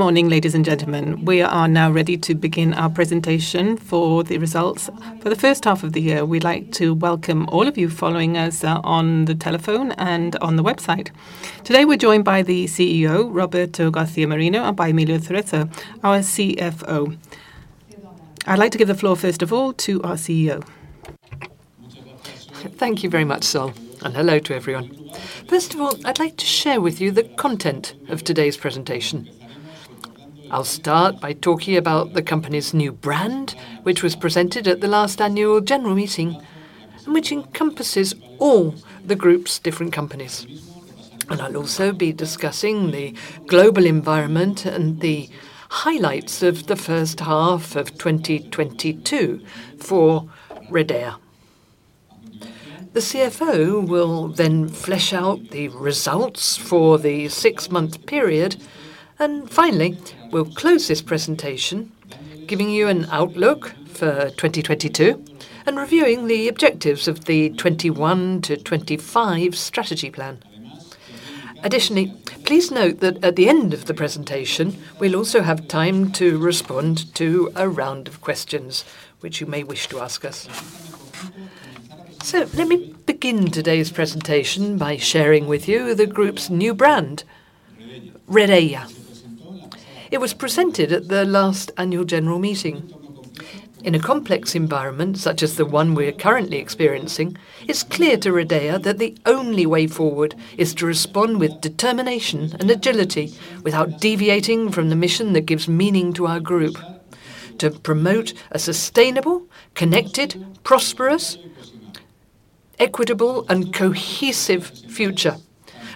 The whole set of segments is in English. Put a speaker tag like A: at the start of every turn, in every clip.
A: Morning, ladies and gentlemen. We are now ready to begin our presentation for the results for the first half of the year. We'd like to welcome all of you following us on the telephone and on the website. Today, we're joined by the CEO, Roberto García Merino, and by Emilio Cerezo, our CFO. I'd like to give the floor, first of all, to our CEO. Thank you very much, Sol, and hello to everyone. First of all, I'd like to share with you the content of today's presentation. I'll start by talking about the company's new brand, which was presented at the last annual general meeting, and which encompasses all the group's different companies. I'll also be discussing the global environment and the highlights of the first half of 2022 for Redeia. The CFO will then flesh out the results for the six-month period, and finally, we'll close this presentation, giving you an outlook for 2022 and reviewing the objectives of the 2021-2025 strategy plan. Additionally, please note that at the end of the presentation, we'll also have time to respond to a round of questions which you may wish to ask us. Let me begin today's presentation by sharing with you the group's new brand, Redeia. It was presented at the last annual general meeting. In a complex environment such as the one we're currently experiencing, it's clear to Redeia that the only way forward is to respond with determination and agility without deviating from the mission that gives meaning to our group, to promote a sustainable, connected, prosperous, equitable, and cohesive future.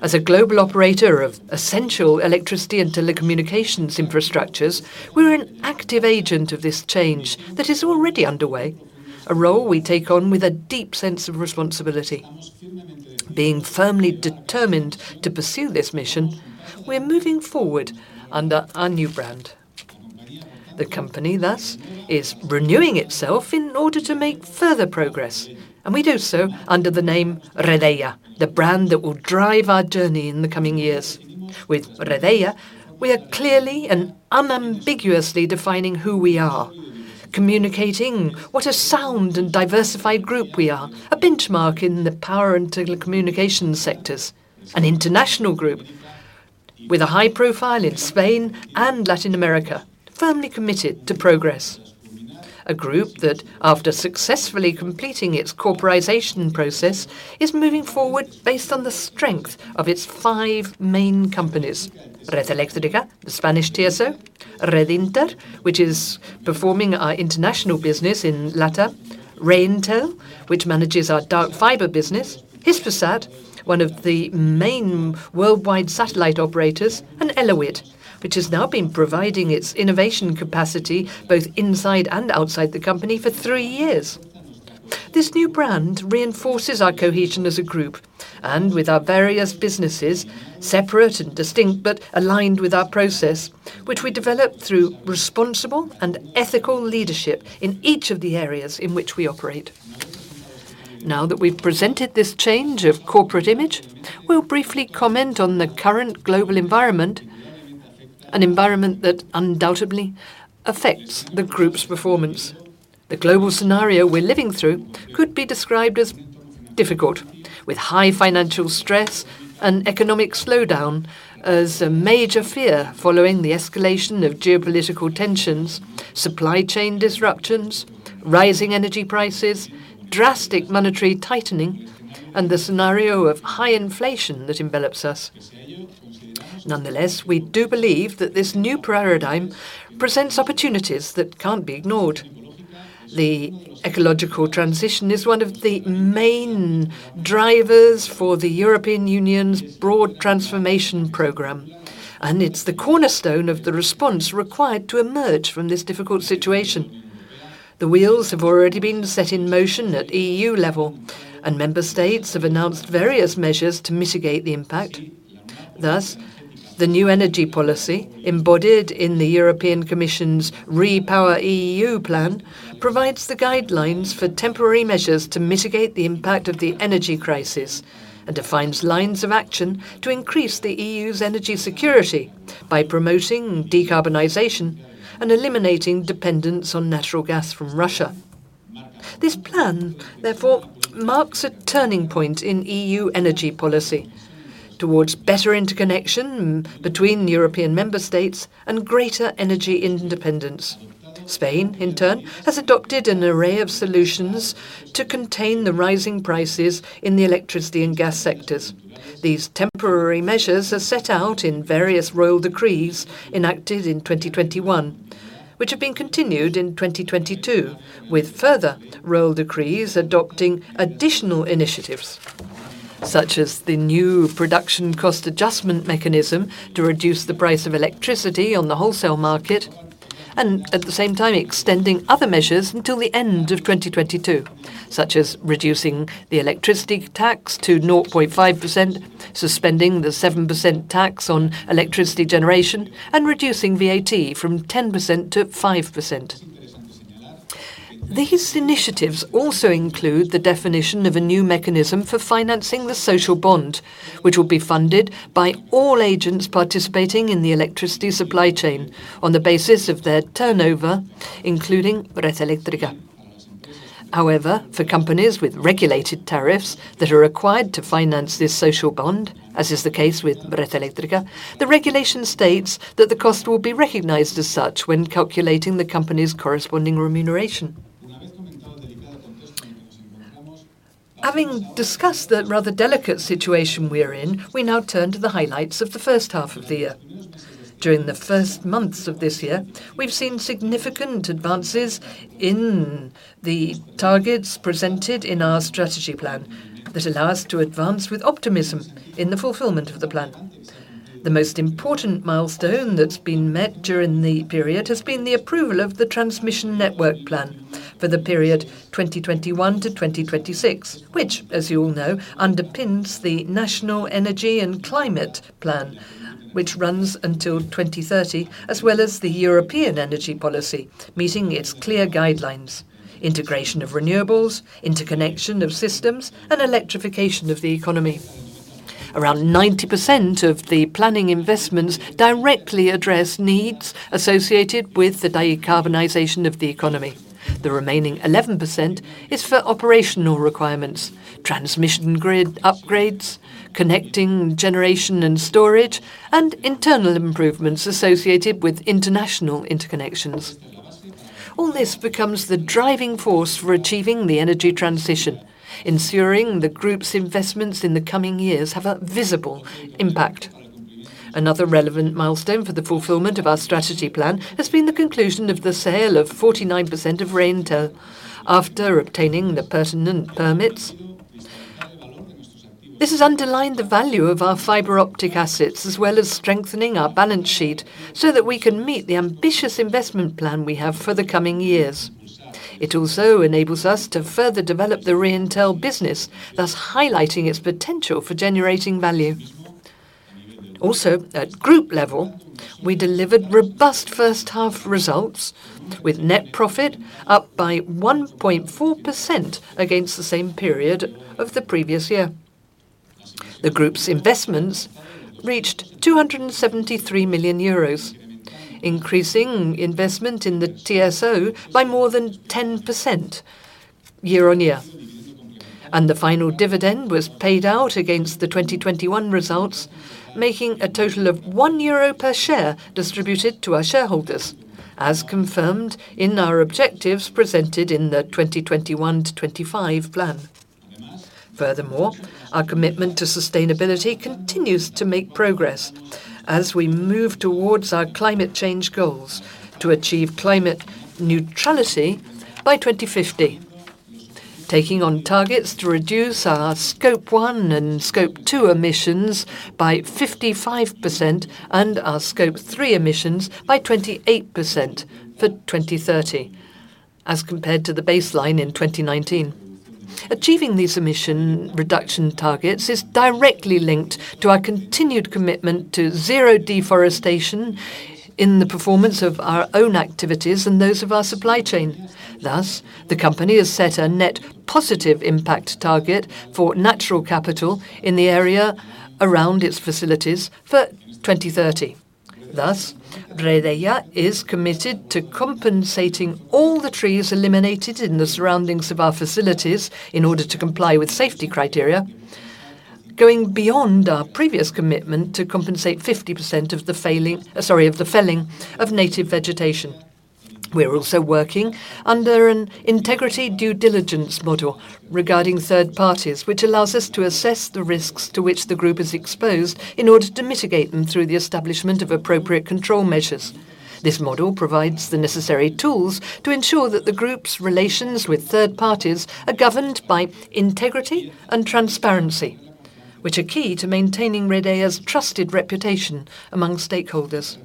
A: As a global operator of essential electricity and telecommunications infrastructures, we're an active agent of this change that is already underway, a role we take on with a deep sense of responsibility. Being firmly determined to pursue this mission, we're moving forward under our new brand. The company, thus, is renewing itself in order to make further progress, and we do so under the name Redeia, the brand that will drive our journey in the coming years. With Redeia, we are clearly and unambiguously defining who we are, communicating what a sound and diversified group we are, a benchmark in the power and telecommunication sectors, an international group with a high profile in Spain and Latin America, firmly committed to progress. A group that, after successfully completing its corporatization process, is moving forward based on the strength of its five main companies, Red Eléctrica, the Spanish TSO, Redinter, which is performing our international business in LATAM, Reintel, which manages our dark fiber business, Hispasat, one of the main worldwide satellite operators, and Elewit, which has now been providing its innovation capacity both inside and outside the company for three years. This new brand reinforces our cohesion as a group and with our various businesses, separate and distinct, but aligned with our process, which we developed through responsible and ethical leadership in each of the areas in which we operate. Now that we've presented this change of corporate image, we'll briefly comment on the current global environment, an environment that undoubtedly affects the group's performance. The global scenario we're living through could be described as difficult, with high financial stress and economic slowdown as a major fear following the escalation of geopolitical tensions, supply chain disruptions, rising energy prices, drastic monetary tightening, and the scenario of high inflation that envelops us. Nonetheless, we do believe that this new paradigm presents opportunities that can't be ignored. The ecological transition is one of the main drivers for the European Union's broad transformation program, and it's the cornerstone of the response required to emerge from this difficult situation. The wheels have already been set in motion at EU level, and member states have announced various measures to mitigate the impact. Thus, the new energy policy, embodied in the European Commission's REPowerEU plan, provides the guidelines for temporary measures to mitigate the impact of the energy crisis and defines lines of action to increase the EU's energy security by promoting decarbonization and eliminating dependence on natural gas from Russia. This plan, therefore, marks a turning point in EU energy policy towards better interconnection between European member states and greater energy independence. Spain, in turn, has adopted an array of solutions to contain the rising prices in the electricity and gas sectors. These temporary measures are set out in various Royal Decrees enacted in 2021, which have been continued in 2022, with further Royal Decrees adopting additional initiatives, such as the new production cost adjustment mechanism to reduce the price of electricity on the wholesale market, and at the same time, extending other measures until the end of 2022, such as reducing the electricity tax to 0.5%, suspending the 7% tax on electricity generation, and reducing VAT from 10% to 5%. These initiatives also include the definition of a new mechanism for financing the social bond, which will be funded by all agents participating in the electricity supply chain on the basis of their turnover, including Red Eléctrica. However, for companies with regulated tariffs that are required to finance this social bond, as is the case with Red Eléctrica, the regulation states that the cost will be recognized as such when calculating the company's corresponding remuneration. Having discussed the rather delicate situation we are in, we now turn to the highlights of the first half of the year. During the first months of this year, we've seen significant advances in the targets presented in our strategy plan that allow us to advance with optimism in the fulfillment of the plan. The most important milestone that's been met during the period has been the approval of the transmission network plan for the period 2021 to 2026, which, as you all know, underpins the National Energy and Climate Plan, which runs until 2030, as well as the European energy policy, meeting its clear guidelines, integration of renewables, interconnection of systems, and electrification of the economy. Around 90% of the planning investments directly address needs associated with the decarbonization of the economy. The remaining 11% is for operational requirements, transmission grid upgrades, connecting generation and storage, and internal improvements associated with international interconnections. All this becomes the driving force for achieving the energy transition, ensuring the group's investments in the coming years have a visible impact. Another relevant milestone for the fulfillment of our strategy plan has been the conclusion of the sale of 49% of Reintel after obtaining the pertinent permits. This has underlined the value of our fiber optic assets, as well as strengthening our balance sheet so that we can meet the ambitious investment plan we have for the coming years. It also enables us to further develop the Reintel business, thus highlighting its potential for generating value. Also, at group level, we delivered robust first half results with net profit up by 1.4% against the same period of the previous year. The group's investments reached 273 million euros, increasing investment in the TSO by more than 10% year-on-year. The final dividend was paid out against the 2021 results, making a total of 1 euro per share distributed to our shareholders, as confirmed in our objectives presented in the 2021-2025 plan. Furthermore, our commitment to sustainability continues to make progress as we move towards our climate change goals to achieve climate neutrality by 2050, taking on targets to reduce our Scope 1 and Scope 2 emissions by 55% and our Scope 3 emissions by 28% for 2030 as compared to the baseline in 2019. Achieving these emission reduction targets is directly linked to our continued commitment to zero deforestation in the performance of our own activities and those of our supply chain. Thus, the company has set a net positive impact target for natural capital in the area around its facilities for 2030. Thus, Redeia is committed to compensating all the trees eliminated in the surroundings of our facilities in order to comply with safety criteria, going beyond our previous commitment to compensate 50% of the felling of native vegetation. We're also working under an integrity due diligence model regarding third parties, which allows us to assess the risks to which the group is exposed in order to mitigate them through the establishment of appropriate control measures. This model provides the necessary tools to ensure that the group's relations with third parties are governed by integrity and transparency, which are key to maintaining Redeia's trusted reputation among stakeholders.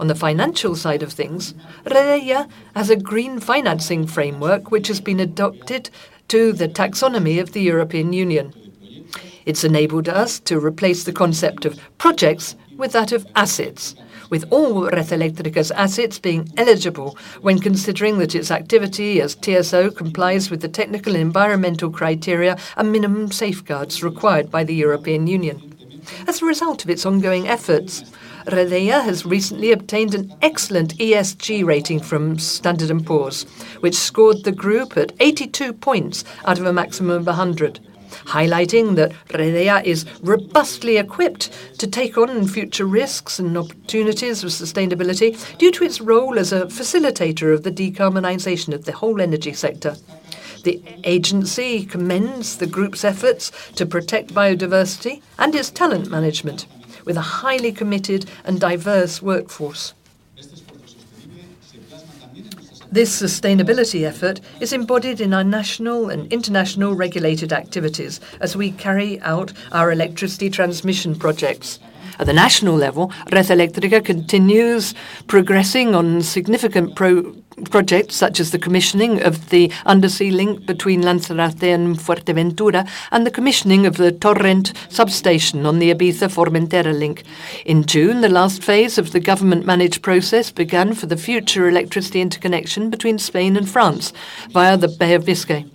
A: On the financial side of things, Redeia has a Green Finance Framework which has been adapted to the taxonomy of the European Union. It's enabled us to replace the concept of projects with that of assets, with all Red Eléctrica's assets being eligible when considering that its activity as TSO complies with the technical environmental criteria and minimum safeguards required by the European Union. As a result of its ongoing efforts, Redeia has recently obtained an excellent ESG rating from Standard & Poor's, which scored the group at 82 points out of a maximum of 100, highlighting that Redeia is robustly equipped to take on future risks and opportunities with sustainability due to its role as a facilitator of the decarbonization of the whole energy sector. The agency commends the group's efforts to protect biodiversity and its talent management with a highly committed and diverse workforce. This sustainability effort is embodied in our national and international regulated activities as we carry out our electricity transmission projects. At the national level, Red Eléctrica continues progressing on significant projects such as the commissioning of the undersea link between Lanzarote and Fuerteventura, and the commissioning of the Torrent substation on the Ibiza-Formentera link. In June, the last phase of the government-managed process began for the future electricity interconnection between Spain and France via the Bay of Biscay.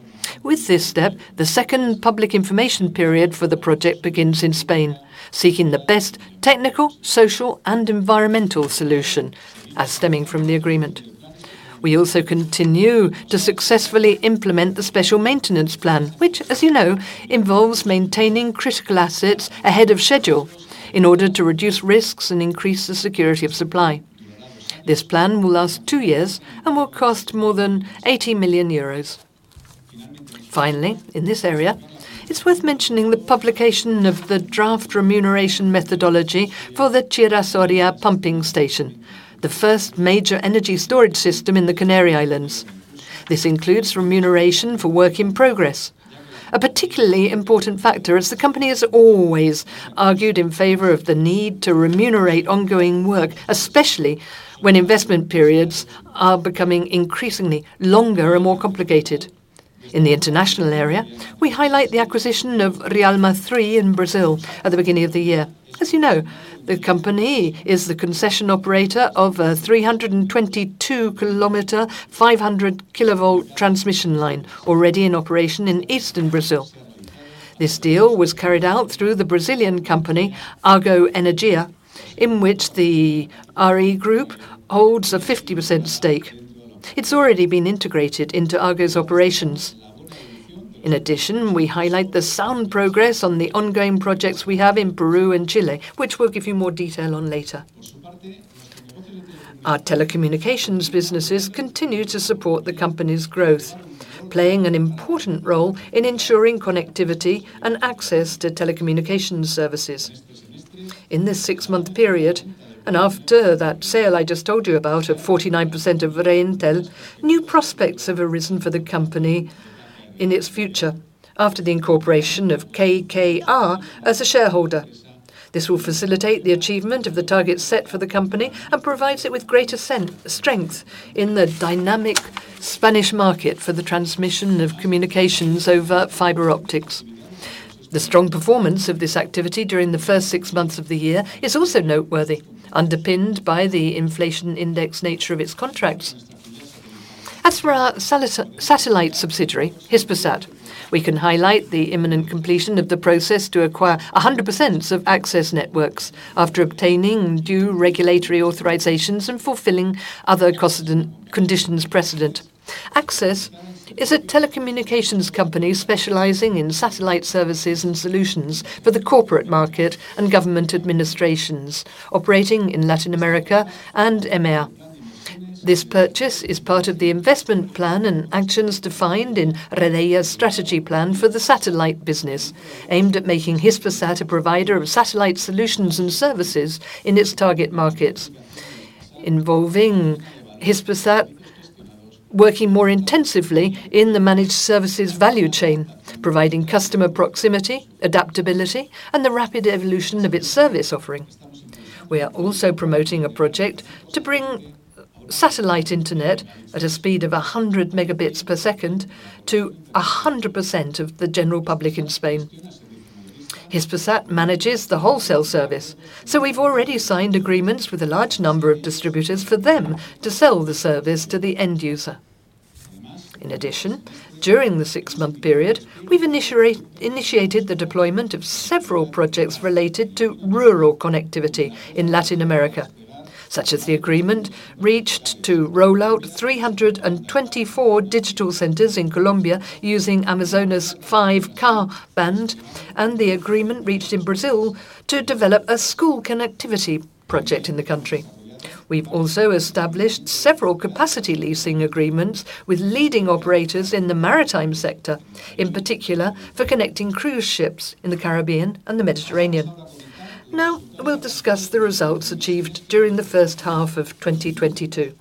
A: With this step, the second public information period for the project begins in Spain, seeking the best technical, social, and environmental solution as stemming from the agreement. We also continue to successfully implement the special maintenance plan, which, as you know, involves maintaining critical assets ahead of schedule in order to reduce risks and increase the security of supply. This plan will last two years and will cost more than 80 million euros. Finally, in this area, it's worth mentioning the publication of the draft remuneration methodology for the Chira-Soria pumping station, the first major energy storage system in the Canary Islands. This includes remuneration for work in progress, a particularly important factor, as the company has always argued in favor of the need to remunerate ongoing work, especially when investment periods are becoming increasingly longer and more complicated. In the international area, we highlight the acquisition of Rialma III in Brazil at the beginning of the year. As you know, the company is the concession operator of a 322-km, 500-kV transmission line already in operation in eastern Brazil. This deal was carried out through the Brazilian company Argo Energia, in which the RE group holds a 50% stake. It's already been integrated into Argo's operations. In addition, we highlight the sound progress on the ongoing projects we have in Peru and Chile, which we'll give you more detail on later. Our telecommunications businesses continue to support the company's growth, playing an important role in ensuring connectivity and access to telecommunications services. In this six-month period, and after that sale I just told you about of 49% of Reintel, new prospects have arisen for the company in its future after the incorporation of KKR as a shareholder. This will facilitate the achievement of the targets set for the company and provides it with greater synergies in the dynamic Spanish market for the transmission of communications over fiber optics. The strong performance of this activity during the first six months of the year is also noteworthy, underpinned by the inflation index nature of its contracts. As for our satellite subsidiary, Hispasat, we can highlight the imminent completion of the process to acquire 100% of Axess Networks after obtaining due regulatory authorizations and fulfilling other conditions precedent. Axess is a telecommunications company specializing in satellite services and solutions for the corporate market and government administrations operating in Latin America and EMER. This purchase is part of the investment plan and actions defined in Redeia's strategy plan for the satellite business, aimed at making Hispasat a provider of satellite solutions and services in its target markets, involving Hispasat working more intensively in the managed services value chain, providing customer proximity, adaptability, and the rapid evolution of its service offering. We are also promoting a project to bring satellite internet at a speed of 100 Mbps to 100% of the general public in Spain. Hispasat manages the wholesale service, so we've already signed agreements with a large number of distributors for them to sell the service to the end user. In addition, during the six-month period, we've initiated the deployment of several projects related to rural connectivity in Latin America, such as the agreement reached to roll out 324 digital centers in Colombia using Amazonas 5 Ka-band and the agreement reached in Brazil to develop a school connectivity project in the country. We've also established several capacity leasing agreements with leading operators in the maritime sector, in particular for connecting cruise ships in the Caribbean and the Mediterranean. Now we'll discuss the results achieved during the first half of 2022.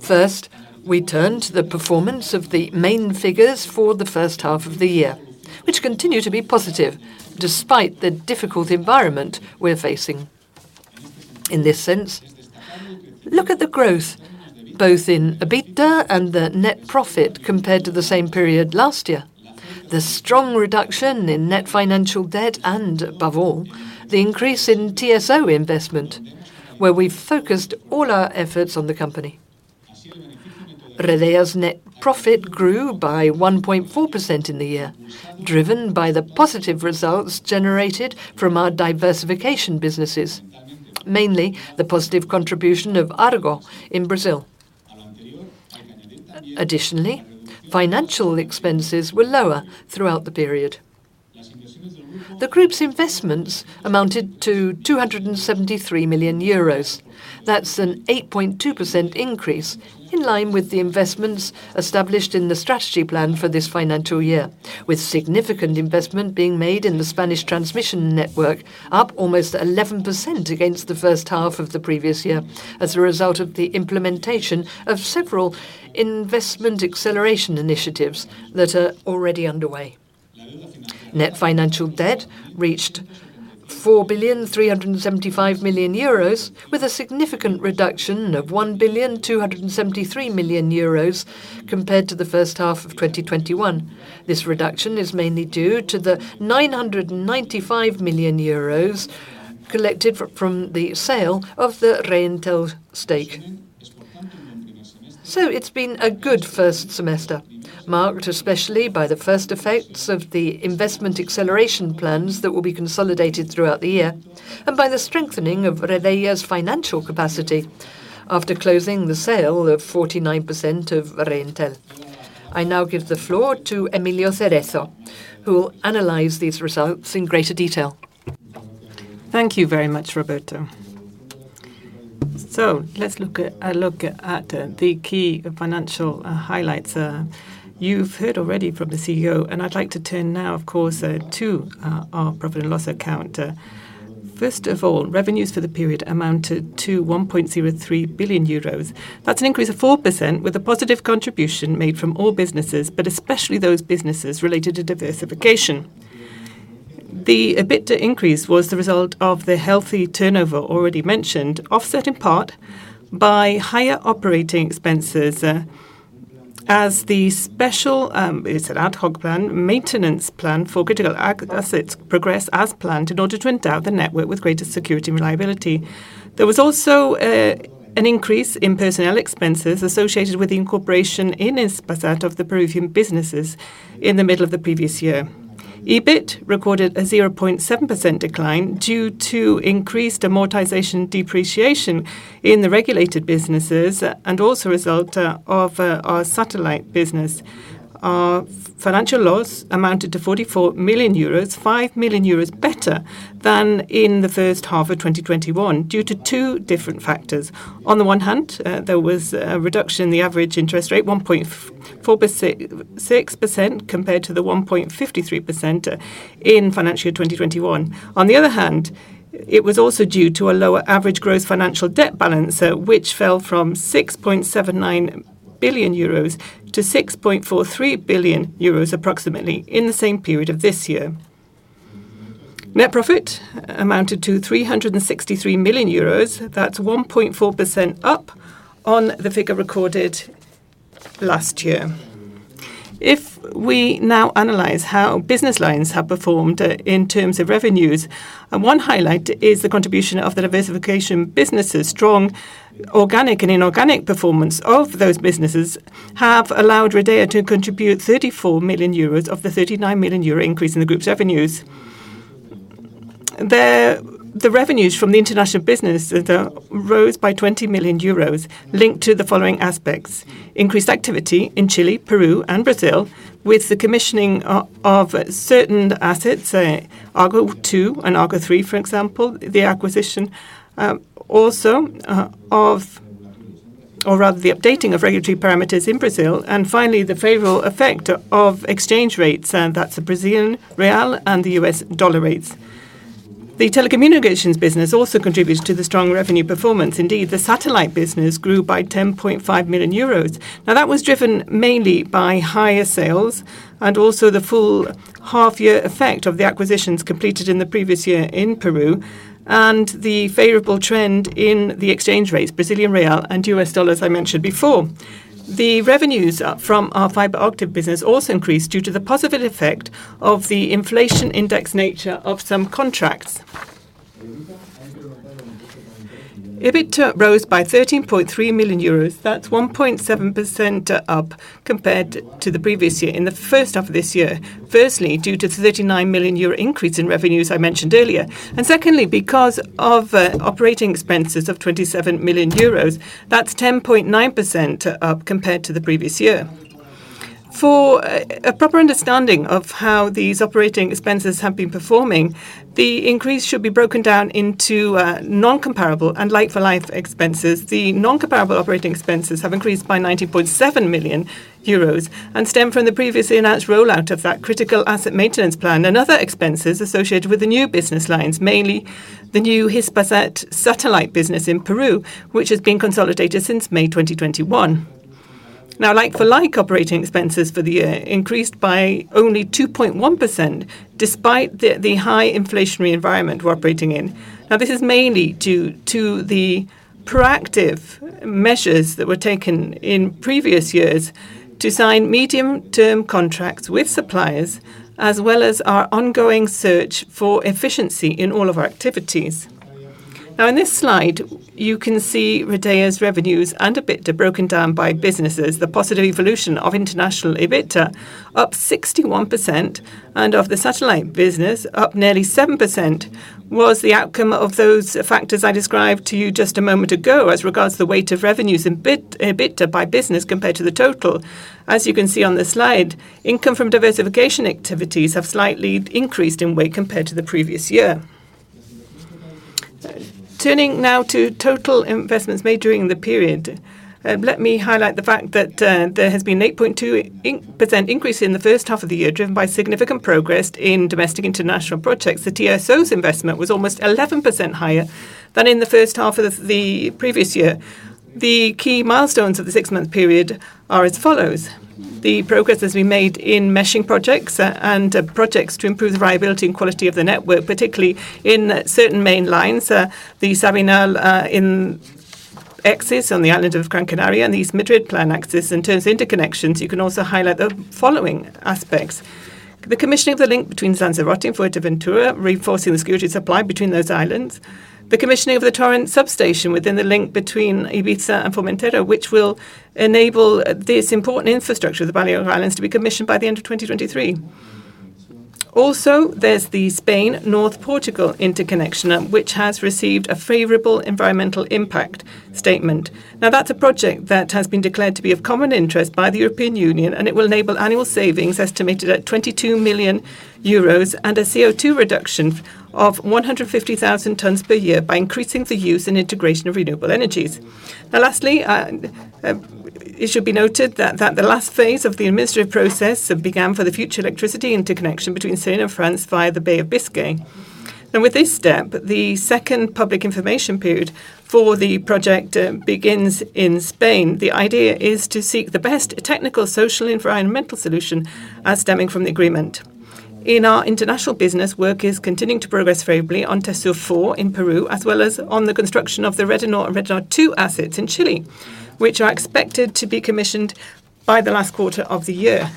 A: First, we turn to the performance of the main figures for the first half of the year, which continue to be positive despite the difficult environment we're facing. In this sense, look at the growth both in EBITDA and the net profit compared to the same period last year, the strong reduction in net financial debt, and, above all, the increase in TSO investment, where we've focused all our efforts on the company. Redeia's net profit grew by 1.4% in the year, driven by the positive results generated from our diversification businesses, mainly the positive contribution of Argo in Brazil. Additionally, financial expenses were lower throughout the period. The group's investments amounted to 273 million euros. That's an 8.2% increase in line with the investments established in the strategy plan for this financial year, with significant investment being made in the Spanish transmission network, up almost 11% against the first half of the previous year as a result of the implementation of several investment acceleration initiatives that are already underway. Net financial debt reached 4.375 billion, with a significant reduction of 1.273 billion compared to the first half of 2021. This reduction is mainly due to the 995 million euros collected from the sale of the Reintel stake. It's been a good first semester, marked especially by the first effects of the investment acceleration plans that will be consolidated throughout the year and by the strengthening of Redeia's financial capacity after closing the sale of 49% of Reintel. I now give the floor to Emilio Cerezo, who will analyze these results in greater detail.
B: Thank you very much, Roberto. Let's look at the key financial highlights. You've heard already from the CEO, and I'd like to turn now, of course, to our profit and loss account. First of all, revenues for the period amounted to 1.03 billion euros. That's an increase of 4% with a positive contribution made from all businesses, but especially those businesses related to diversification. The EBITDA increase was the result of the healthy turnover already mentioned, offset in part by higher operating expenses, as the special maintenance plan for critical assets progresses as planned in order to endow the network with greater security and reliability. There was also an increase in personnel expenses associated with the incorporation in Hispasat of the Peruvian businesses in the middle of the previous year. EBIT recorded a 0.7% decline due to increased amortization depreciation in the regulated businesses and also a result of our satellite business. Our financial loss amounted to 44 million euros, 5 million euros better than in the first half of 2021 due to two different factors. On the one hand, there was a reduction in the average interest rate, 1.6% compared to the 1.53%, in fiscal 2021. On the other hand, it was also due to a lower average gross financial debt balance, which fell from 6.79 billion-6.43 billion euros approximately in the same period of this year. Net profit amounted to 363 million euros. That's 1.4% up on the figure recorded last year. If we now analyze how business lines have performed, in terms of revenues, and one highlight is the contribution of the diversification businesses. Strong organic and inorganic performance of those businesses have allowed Redeia to contribute 34 million euros of the 39 million euro increase in the group's revenues. The revenues from the international business rose by 20 million euros linked to the following aspects: increased activity in Chile, Peru, and Brazil with the commissioning of certain assets, Argo II and Argo III, for example. The updating of regulatory parameters in Brazil. Finally, the favorable effect of exchange rates, and that's the Brazilian real and the US dollar rates. The telecommunications business also contributes to the strong revenue performance. Indeed, the satellite business grew by 10.5 million euros. Now, that was driven mainly by higher sales and also the full half year effect of the acquisitions completed in the previous year in Peru and the favorable trend in the exchange rates, Brazilian real and US dollar, as I mentioned before. The revenues from our fiber optic business also increased due to the positive effect of the inflation index nature of some contracts. EBIT rose by 13.3 million euros. That's 1.7% up compared to the previous year in the first half of this year. Firstly, due to the 39 million euro increase in revenues I mentioned earlier, and secondly, because of operating expenses of 27 million euros. That's 10.9% up compared to the previous year. For a proper understanding of how these operating expenses have been performing, the increase should be broken down into non-comparable and like-for-like expenses. The non-comparable operating expenses have increased by 90.7 million euros and stem from the previously announced rollout of that critical asset maintenance plan and other expenses associated with the new business lines, mainly the new Hispasat satellite business in Peru, which has been consolidated since May 2021. Now, like-for-like operating expenses for the year increased by only 2.1% despite the high inflationary environment we're operating in. Now, this is mainly due to the proactive measures that were taken in previous years to sign medium-term contracts with suppliers, as well as our ongoing search for efficiency in all of our activities. Now, in this slide, you can see Redeia's revenues and EBITDA broken down by businesses. The positive evolution of international EBIT, up 61%, and of the satellite business, up nearly 7%, was the outcome of those factors I described to you just a moment ago as regards the weight of revenues and EBIT-EBITDA by business compared to the total. As you can see on the slide, income from diversification activities have slightly increased in weight compared to the previous year. Turning now to total investments made during the period, let me highlight the fact that there has been an 8.2% increase in the first half of the year, driven by significant progress in domestic and international projects. The TSO's investment was almost 11% higher than in the first half of the previous year. The key milestones of the six-month period are as follows. The progress that we made in meshing projects and projects to improve the reliability and quality of the network, particularly in certain main lines, the Sabinal axis on the island of Gran Canaria and the East Madrid plan axis. In terms of interconnections, you can also highlight the following aspects: the commissioning of the link between Lanzarote and Fuerteventura, reinforcing the security of supply between those islands, the commissioning of the Torrent substation within the link between Ibiza and Formentera, which will enable this important infrastructure of the Balearic Islands to be commissioned by the end of 2023. Also, there's the Spain-North Portugal Interconnection, which has received a favorable environmental impact statement. Now, that's a project that has been declared to be of common interest by the European Union, and it will enable annual savings estimated at 22 million euros and a CO2 reduction of 150,000 tons per year by increasing the use and integration of renewable energies. Now, lastly, it should be noted that the last phase of the administrative process have began for the future electricity interconnection between Spain and France via the Bay of Biscay. Now, with this step, the second public information period for the project begins in Spain. The idea is to seek the best technical, social, and environmental solution stemming from the agreement. In our international business, work is continuing to progress favorably on Tesur 4 in Peru, as well as on the construction of the Redenor and Redenor 2 assets in Chile, which are expected to be commissioned by the last quarter of the year.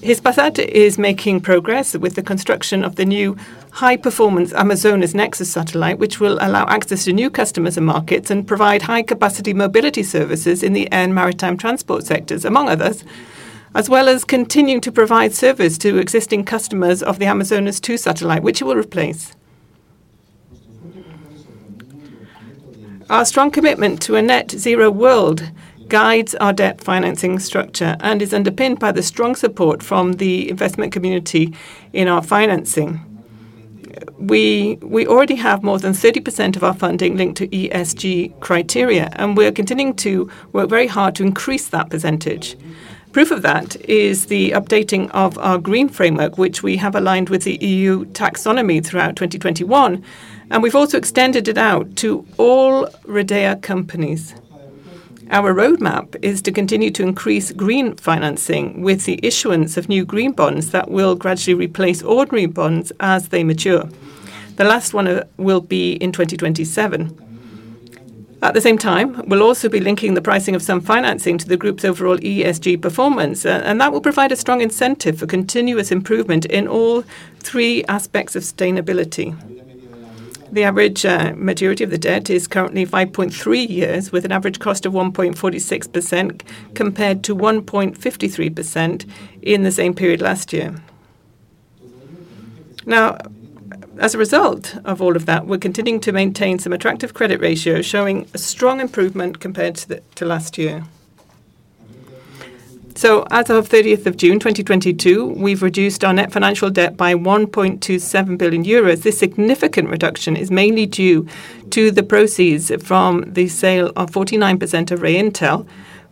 B: Hispasat is making progress with the construction of the new high-performance Amazonas Nexus satellite, which will allow access to new customers and markets and provide high-capacity mobility services in the air and maritime transport sectors, among others, as well as continuing to provide service to existing customers of the Amazonas 2 satellite, which it will replace. Our strong commitment to a net zero world guides our debt financing structure and is underpinned by the strong support from the investment community in our financing. We already have more than 30% of our funding linked to ESG criteria, and we're continuing to work very hard to increase that percentage. Proof of that is the updating of our green framework, which we have aligned with the EU taxonomy throughout 2021, and we've also extended it out to all Redeia companies. Our roadmap is to continue to increase green financing with the issuance of new green bonds that will gradually replace ordinary bonds as they mature. The last one will be in 2027. At the same time, we'll also be linking the pricing of some financing to the group's overall ESG performance, and that will provide a strong incentive for continuous improvement in all three aspects of sustainability. The average maturity of the debt is currently 5.3 years, with an average cost of 1.46%, compared to 1.53% in the same period last year. Now, as a result of all of that, we're continuing to maintain some attractive credit ratios, showing a strong improvement compared to last year. As of 30th of June 2022, we've reduced our net financial debt by 1.27 billion euros. This significant reduction is mainly due to the proceeds from the sale of 49% of Reintel,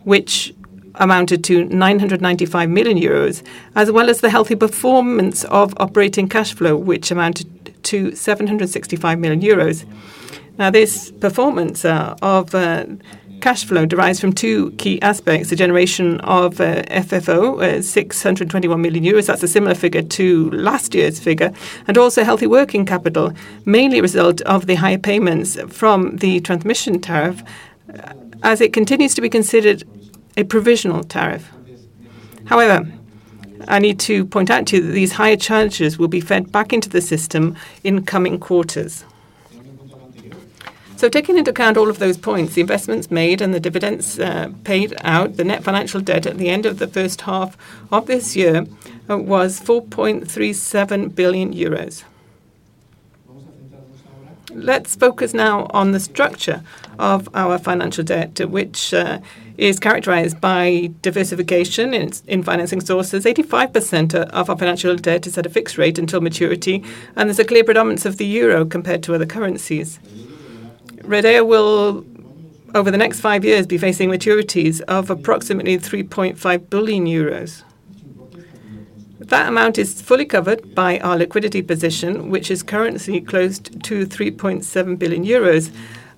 B: which amounted to 995 million euros, as well as the healthy performance of operating cash flow, which amounted to 765 million euros. Now, this performance of cash flow derives from two key aspects: the generation of FFO, 621 million euros, that's a similar figure to last year's figure, and also healthy working capital, mainly a result of the high payments from the transmission tariff, as it continues to be considered a provisional tariff. However, I need to point out to you that these higher charges will be fed back into the system in coming quarters. Taking into account all of those points, the investments made and the dividends paid out, the net financial debt at the end of the first half of this year was 4.37 billion euros. Let's focus now on the structure of our financial debt, which is characterized by diversification in financing sources. 85% of our financial debt is at a fixed rate until maturity, and there's a clear predominance of the euro compared to other currencies. Redeia will, over the next five years, be facing maturities of approximately 3.5 billion euros. That amount is fully covered by our liquidity position, which is currently close to 3.7 billion euros,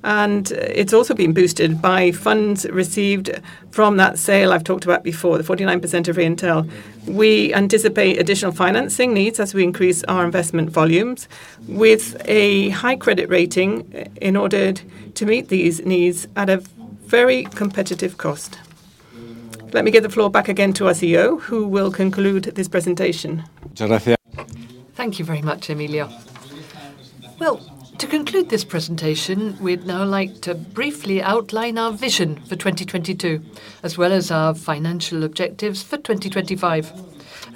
B: and it's also been boosted by funds received from that sale I've talked about before, the 49% of Reintel. We anticipate additional financing needs as we increase our investment volumes with a high credit rating in order to meet these needs at a very competitive cost. Let me give the floor back again to our CEO, who will conclude this presentation.
A: Thank you very much, Emilio. Well, to conclude this presentation, we'd now like to briefly outline our vision for 2022, as well as our financial objectives for 2025.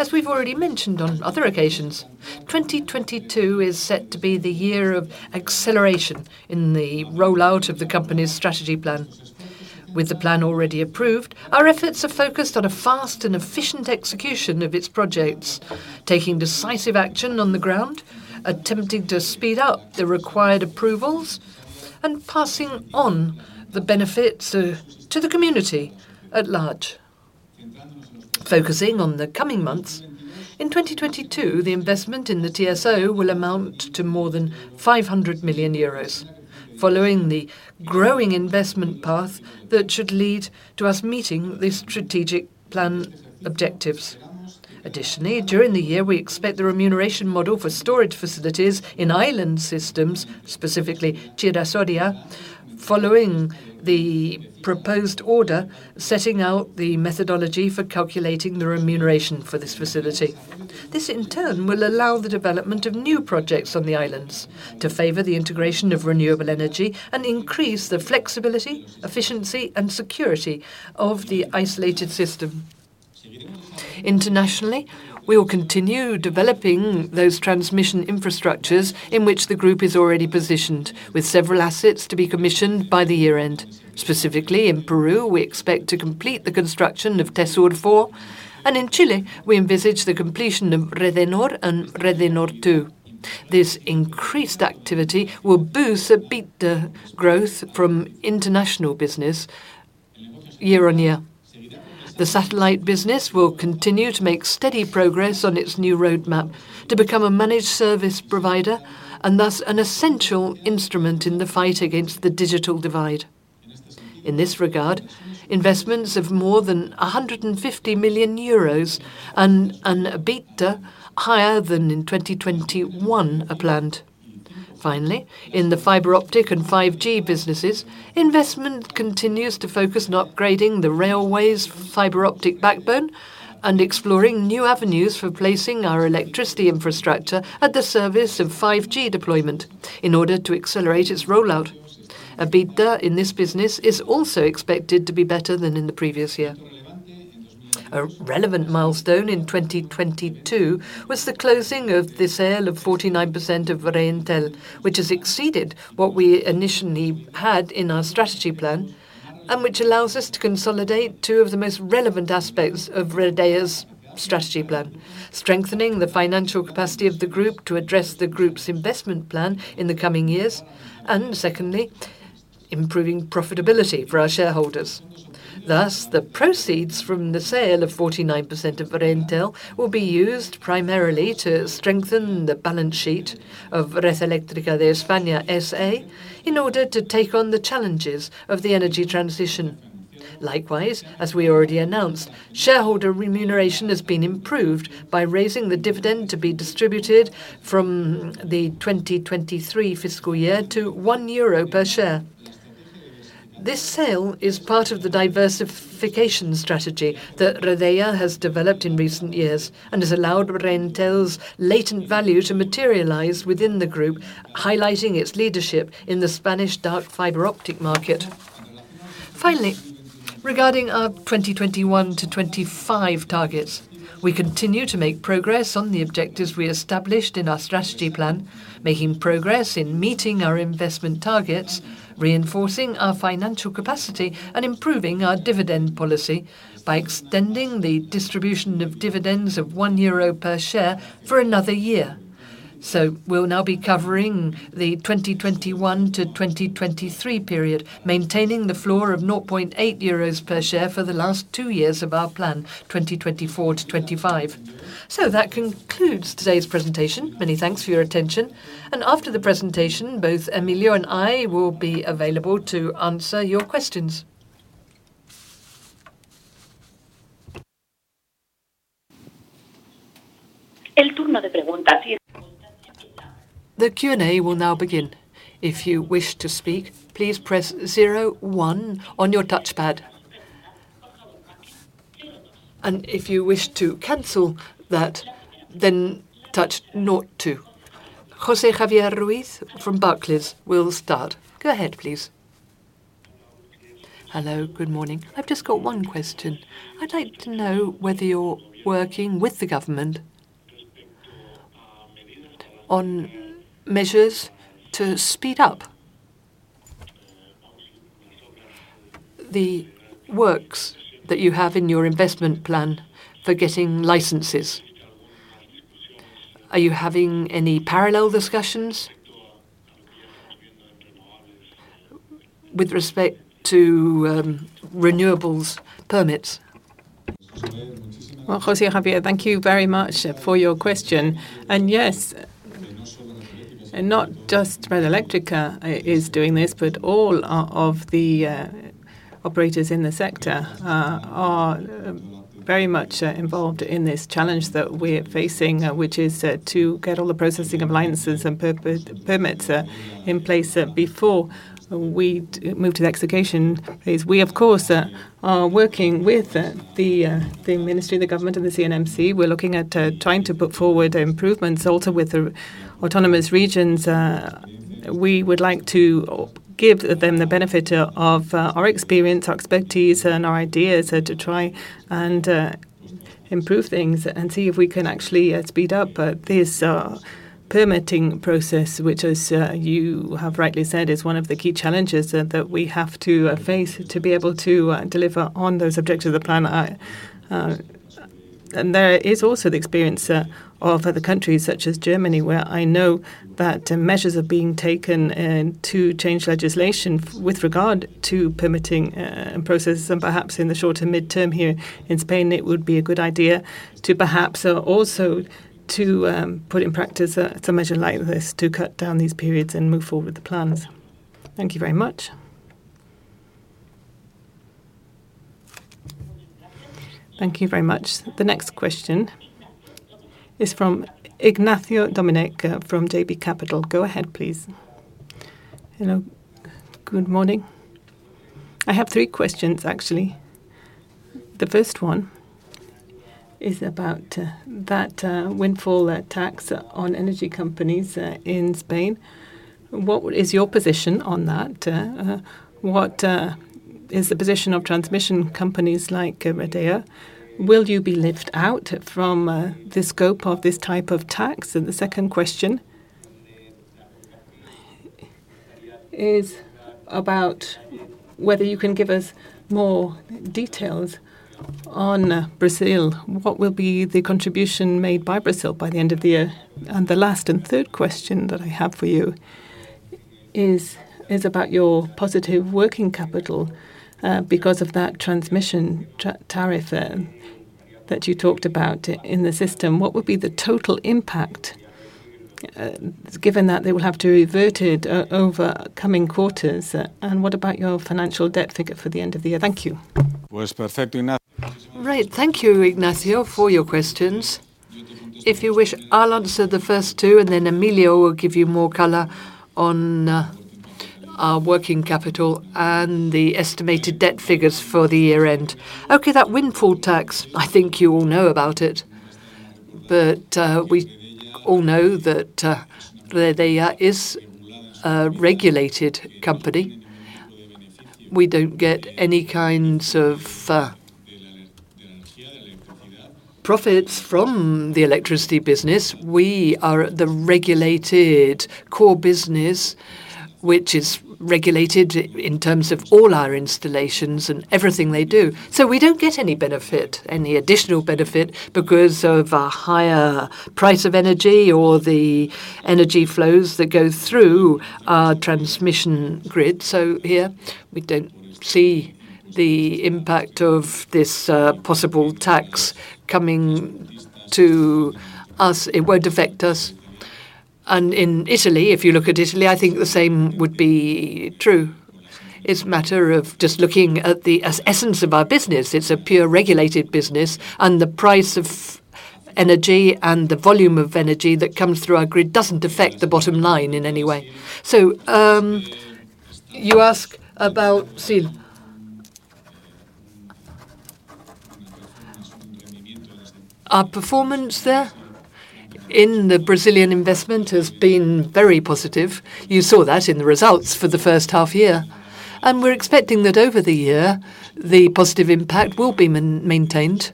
A: As we've already mentioned on other occasions, 2022 is set to be the year of acceleration in the rollout of the company's strategy plan. With the plan already approved, our efforts are focused on a fast and efficient execution of its projects, taking decisive action on the ground, attempting to speed up the required approvals, and passing on the benefits to the community at large. Focusing on the coming months, in 2022, the investment in the TSO will amount to more than 500 million euros, following the growing investment path that should lead to us meeting the strategic plan objectives. Additionally, during the year, we expect the remuneration model for storage facilities in island systems, specifically Chira-Soria, following the proposed order, setting out the methodology for calculating the remuneration for this facility. This, in turn, will allow the development of new projects on the islands to favor the integration of renewable energy and increase the flexibility, efficiency, and security of the isolated system. Internationally, we will continue developing those transmission infrastructures in which the group is already positioned, with several assets to be commissioned by the year-end. Specifically, in Peru, we expect to complete the construction of Tesur 4, and in Chile, we envisage the completion of Redenor and Redenor 2. This increased activity will boost EBITDA growth from international business year-over-year. The satellite business will continue to make steady progress on its new roadmap to become a managed service provider and thus an essential instrument in the fight against the digital divide. In this regard, investments of more than 150 million euros and an EBITDA higher than in 2021 are planned. Finally, in the fiber optic and 5G businesses, investment continues to focus on upgrading the railway's fiber optic backbone and exploring new avenues for placing our electricity infrastructure at the service of 5G deployment in order to accelerate its rollout. EBITDA in this business is also expected to be better than in the previous year. A relevant milestone in 2022 was the closing of the sale of 49% of Reintel, which has exceeded what we initially had in our strategy plan and which allows us to consolidate two of the most relevant aspects of Redeia's strategy plan, strengthening the financial capacity of the group to address the group's investment plan in the coming years, and secondly, improving profitability for our shareholders. Thus, the proceeds from the sale of 49% of Reintel will be used primarily to strengthen the balance sheet of Red Eléctrica de España, S.A., in order to take on the challenges of the energy transition. Likewise, as we already announced, shareholder remuneration has been improved by raising the dividend to be distributed from the 2023 fiscal year to 1 euro per share. This sale is part of the diversification strategy that Redeia has developed in recent years and has allowed Reintel's latent value to materialize within the group, highlighting its leadership in the Spanish dark fiber optic market. Finally, regarding our 2021 to 2025 targets, we continue to make progress on the objectives we established in our strategy plan, making progress in meeting our investment targets, reinforcing our financial capacity, and improving our dividend policy by extending the distribution of dividends of 1 euro per share for another year. We'll now be covering the 2021 to 2023 period, maintaining the floor of 0.8 euros per share for the last two years of our plan, 2024 to 2025. That concludes today's presentation. Many thanks for your attention. After the presentation, both Emilio and I will be available to answer your questions.
C: The Q&A will now begin. If you wish to speak, please press zero one on your touchpad. If you wish to cancel that, then touch naught two. Jose Javier Ruiz from Barclays will start. Go ahead, please. Hello, good morning. I've just got one question. I'd like to know whether you're working with the government on measures to speed up the works that you have in your investment plan for getting licenses. Are you having any parallel discussions with respect to renewables permits? Well, Jose Javier, thank you very much for your question. Yes, not just Red Eléctrica is doing this, but all of the operators in the sector are very much involved in this challenge that we're facing, which is to get all the processing of licenses and permits in place before we move to the execution phase.
B: We, of course, are working with the ministry, the government, and the CNMC. We're looking at trying to put forward improvements also with the autonomous regions. We would like to give them the benefit of our experience, our expertise, and our ideas to try and improve things and see if we can actually speed up this permitting process, which as you have rightly said, is one of the key challenges that we have to face to be able to deliver on those objectives of the plan. There is also the experience of other countries such as Germany, where I know that measures are being taken, and to change legislation with regard to permitting processes.
C: Perhaps in the shorter midterm here in Spain, it would be a good idea to also put in practice a measure like this to cut down these periods and move forward with the plans. Thank you very much. The next question is from Ignacio Doménech from JB Capital. Go ahead, please.
B: Hello. Good morning. I have three questions, actually. The first one is about that windfall tax on energy companies in Spain. What is your position on that? What is the position of transmission companies like Redeia? Will you be left out from the scope of this type of tax? The second question is about whether you can give us more details on Brazil. What will be the contribution made by Brazil by the end of the year? The last and third question that I have for you is about your positive working capital because of that transmission tariff that you talked about in the system. What would be the total impact given that they will have to revert it over coming quarters? What about your financial debt figure for the end of the year? Thank you. Right. Thank you, Ignacio, for your questions. If you wish, I'll answer the first two, and then Emilio will give you more color on our working capital and the estimated debt figures for the year-end. Okay, that windfall tax, I think you all know about it, but we all know that Redeia is a regulated company. We don't get any kinds of profits from the electricity business. We are the regulated core business, which is regulated in terms of all our installations and everything they do. So we don't get any benefit, any additional benefit, because of a higher price of energy or the energy flows that go through our transmission grid. So here we don't see the impact of this possible tax coming to us. It won't affect us. In Italy, if you look at Italy, I think the same would be true. It's a matter of just looking at the essence of our business. It's a pure regulated business, and the price of energy and the volume of energy that comes through our grid doesn't affect the bottom line in any way. You ask about Argo. Our performance there in the Brazilian investment has been very positive. You saw that in the results for the first half year. We're expecting that over the year, the positive impact will be maintained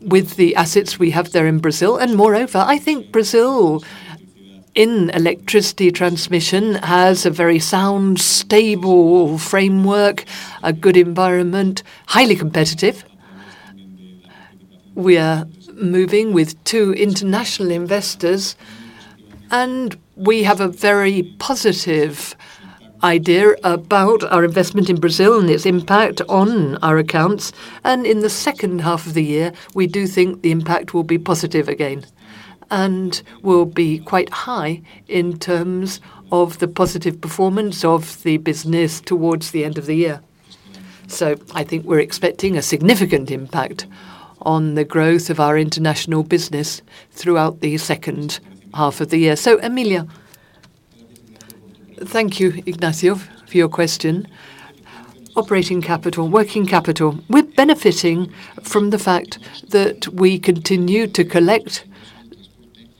B: with the assets we have there in Brazil. Moreover, I think Brazil in electricity transmission has a very sound, stable framework, a good environment, highly competitive. We are moving with two international investors, and we have a very positive idea about our investment in Brazil and its impact on our accounts.
A: In the second half of the year, we do think the impact will be positive again and will be quite high in terms of the positive performance of the business towards the end of the year. I think we're expecting a significant impact on the growth of our international business throughout the second half of the year. Emilio... Thank you, Ignacio, for your question. Operating capital, working capital. We're benefiting from the fact that we continue to collect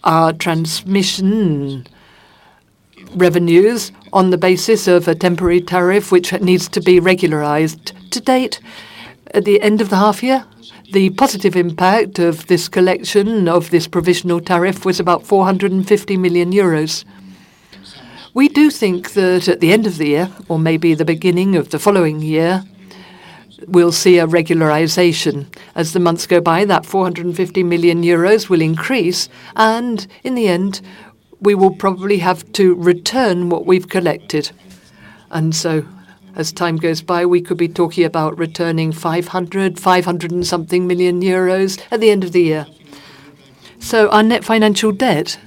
A: our transmission revenues on the basis of a temporary tariff, which needs to be regularized to date. At the end of the half year, the positive impact of this collection of this provisional tariff was about 450 million euros. We do think that at the end of the year, or maybe the beginning of the following year, we'll see a regularization. As the months go by, that 450 million euros will increase, and in the end, we will probably have to return what we've collected. As time goes by, we could be talking about returning 500-something million euros at the end of the year. Our net financial debt,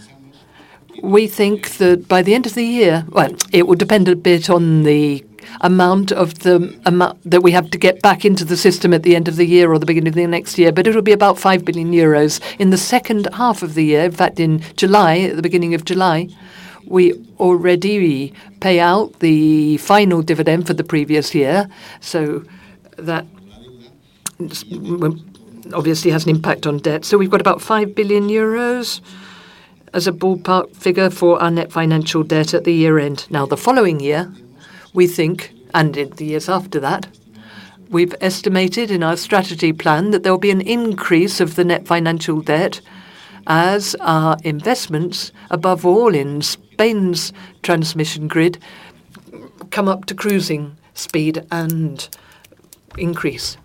A: we think that by the end of the year. Well, it would depend a bit on the amount that we have to get back into the system at the end of the year or the beginning of the next year, but it'll be about 5 billion euros. In the second half of the year, in fact, in July, at the beginning of July, we already pay out the final dividend for the previous year, so that obviously has an impact on debt. We've got about 5 billion euros as a ballpark figure for our net financial debt at the year-end. Now, the following year, we think, and in the years after that, we've estimated in our strategy plan that there will be an increase of the net financial debt as our investments, above all in Spain's transmission grid.
C: Come up to cruising speed and increase.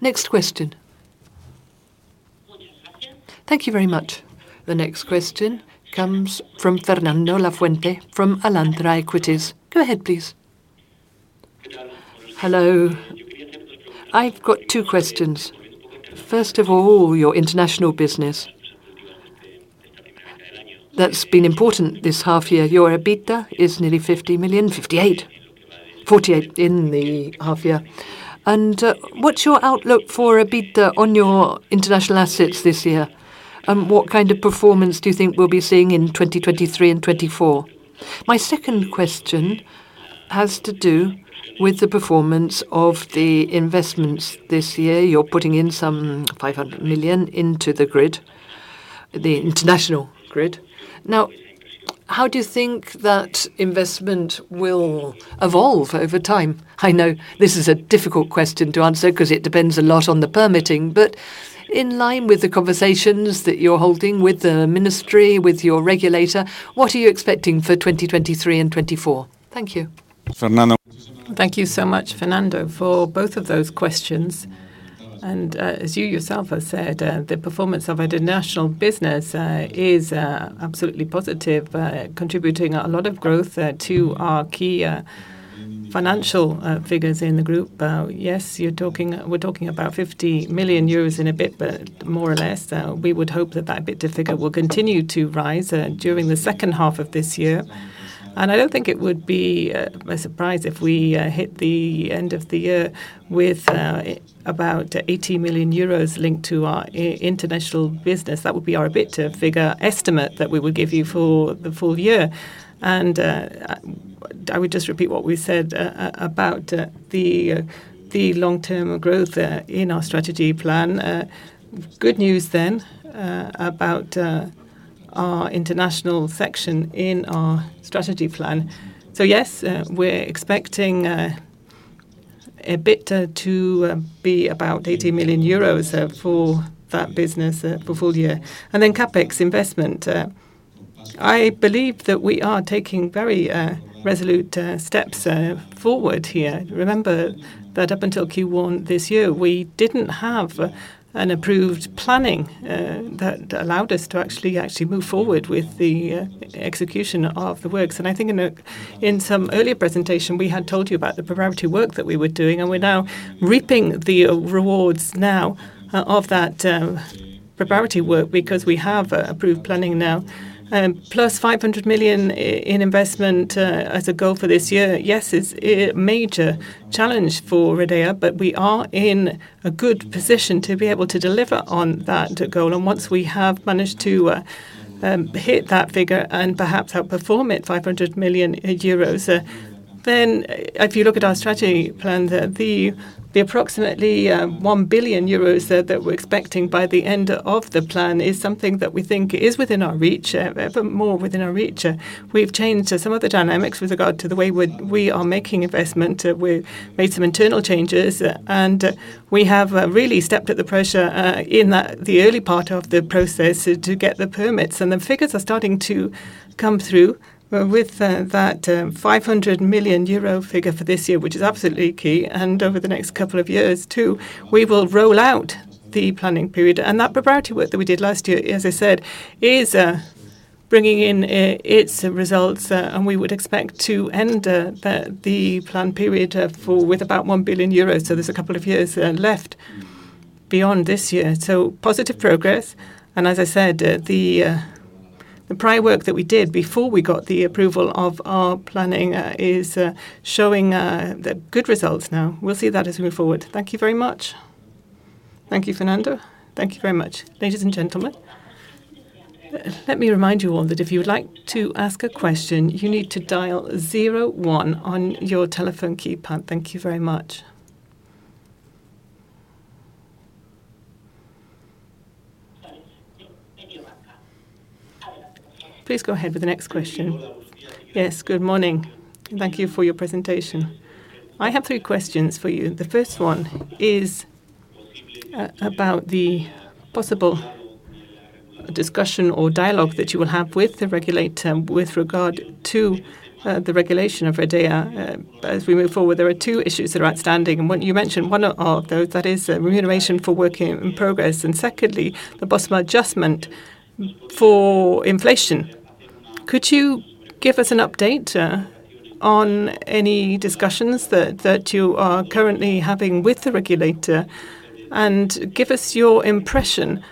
C: Next question. Thank you very much. The next question comes from Fernando Lafuente from Alantra Equities. Go ahead, please.
B: Hello. I've got two questions. First of all, your international business, that's been important this half year. Your EBITDA is nearly 50 million, 58. 48 in the half year. What's your outlook for EBITDA on your international assets this year? What kind of performance do you think we'll be seeing in 2023 and 2024? My second question has to do with the performance of the investments this year. You're putting in some 500 million into the grid, the international grid. How do you think that investment will evolve over time? I know this is a difficult question to answer 'cause it depends a lot on the permitting, but in line with the conversations that you're holding with the ministry, with your regulator, what are you expecting for 2023 and 2024? Thank you. Fernando.
D: Thank you so much, Fernando, for both of those questions. As you yourself have said, the performance of our international business is absolutely positive, contributing a lot of growth to our key financial figures in the group. Yes, we're talking about 50 million euros in EBITDA, more or less. We would hope that EBITDA figure will continue to rise during the second half of this year. I don't think it would be a surprise if we hit the end of the year with about 80 million euros linked to our international business. That would be our EBITDA figure estimate that we will give you for the full year. I would just repeat what we said about the long-term growth in our strategy plan. Good news about our international section in our strategy plan. Yes, we're expecting EBITDA to be about 80 million euros for that business for full year. CapEx investment, I believe that we are taking very resolute steps forward here. Remember that up until Q1 this year, we didn't have an approved planning that allowed us to actually move forward with the execution of the works. I think in some earlier presentation, we had told you about the preparatory work that we were doing, and we're now reaping the rewards of that preparatory work because we have approved planning now. +500 million in investment as a goal for this year. Yes, it's a major challenge for Redeia, but we are in a good position to be able to deliver on that goal. Once we have managed to hit that figure and perhaps outperform it, 500 million euros, then if you look at our strategy plan, the approximately one billion euros that we're expecting by the end of the plan is something that we think is within our reach, even more within our reach. We've changed some of the dynamics with regard to the way we are making investment. We made some internal changes, and we have really stepped up the pressure in the early part of the process to get the permits. The figures are starting to come through with that 500 million euro figure for this year, which is absolutely key. Over the next couple of years too, we will roll out the planning period. That preparatory work that we did last year, as I said, is bringing in its results, and we would expect to end the plan period with about 1 billion euros. There's a couple of years left beyond this year. Positive progress. As I said, the prior work that we did before we got the approval of our planning is showing the good results now. We'll see that as we move forward. Thank you very much.
C: Thank you, Fernando. Thank you very much. Ladies and gentlemen, let me remind you all that if you would like to ask a question, you need to dial zero one on your telephone keypad. Thank you very much. Please go ahead with the next question.
D: Yes. Good morning. Thank you for your presentation. I have three questions for you. The first one is about the possible discussion or dialogue that you will have with the regulator with regard to the regulation of Redeia. As we move forward, there are two issues that are outstanding, and one you mentioned, one of those that is remuneration for work in progress and secondly, the possible adjustment for inflation. Could you give us an update on any discussions that you are currently having with the regulator? Give us your impression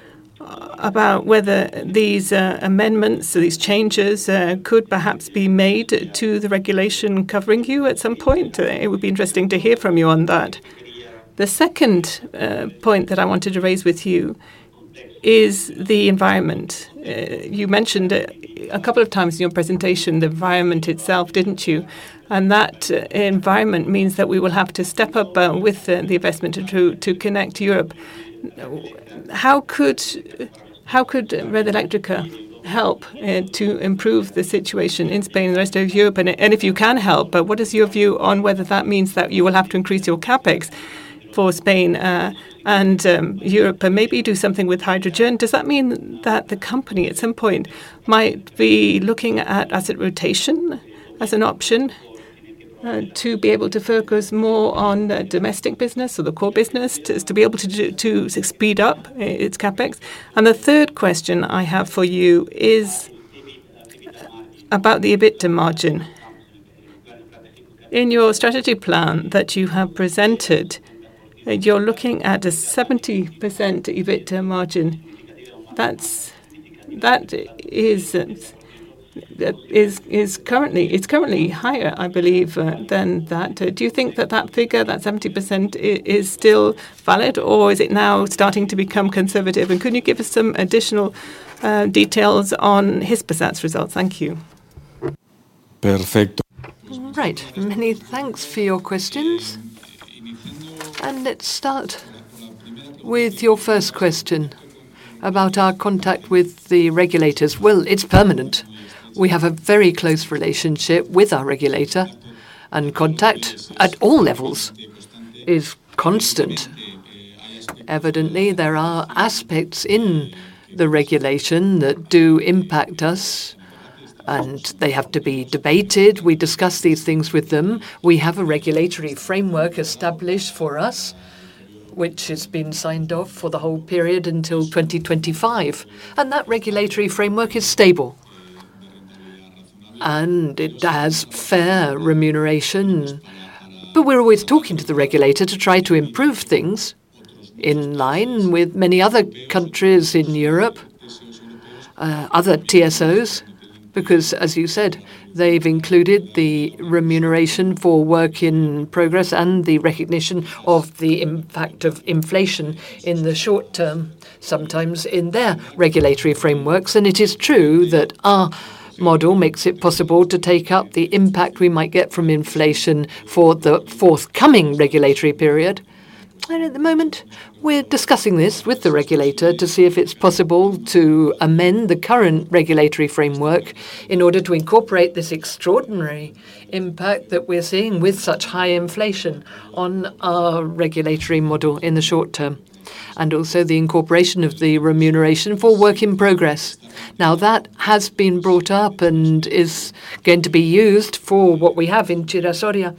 D: about whether these amendments or these changes could perhaps be made to the regulation covering you at some point. It would be interesting to hear from you on that. The second point that I wanted to raise with you is the environment.
B: You mentioned a couple of times in your presentation the environment itself, didn't you? That environment means that we will have to step up with the investment to connect Europe. How could Red Eléctrica help to improve the situation in Spain and the rest of Europe? If you can help, what is your view on whether that means that you will have to increase your CapEx for Spain and Europe, and maybe do something with hydrogen? Does that mean that the company at some point might be looking at asset rotation as an option to be able to focus more on the domestic business or the core business to be able to speed up its CapEx? The third question I have for you is about the EBITDA margin. In your strategy plan that you have presented, that you're looking at a 70% EBITDA margin. That's currently higher, I believe, than that. Do you think that that figure, that 70% is still valid, or is it now starting to become conservative? Could you give us some additional details on Hispasat's results? Thank you.
A: Perfecto. Right. Many thanks for your questions. Let's start with your first question about our contact with the regulators. Well, it's permanent. We have a very close relationship with our regulator, and contact at all levels is constant. Evidently, there are aspects in the regulation that do impact us, and they have to be debated. We discuss these things with them. We have a regulatory framework established for us, which has been signed off for the whole period until 2025, and that regulatory framework is stable, and it has fair remuneration. We're always talking to the regulator to try to improve things in line with many other countries in Europe, other TSOs, because as you said, they've included the remuneration for work in progress and the recognition of the impact of inflation in the short term, sometimes in their regulatory frameworks. It is true that our model makes it possible to take up the impact we might get from inflation for the forthcoming regulatory period. At the moment we're discussing this with the regulator to see if it's possible to amend the current regulatory framework in order to incorporate this extraordinary impact that we're seeing with such high inflation on our regulatory model in the short term, and also the incorporation of the remuneration for work in progress. Now, that has been brought up and is going to be used for what we have in Salto de Chira,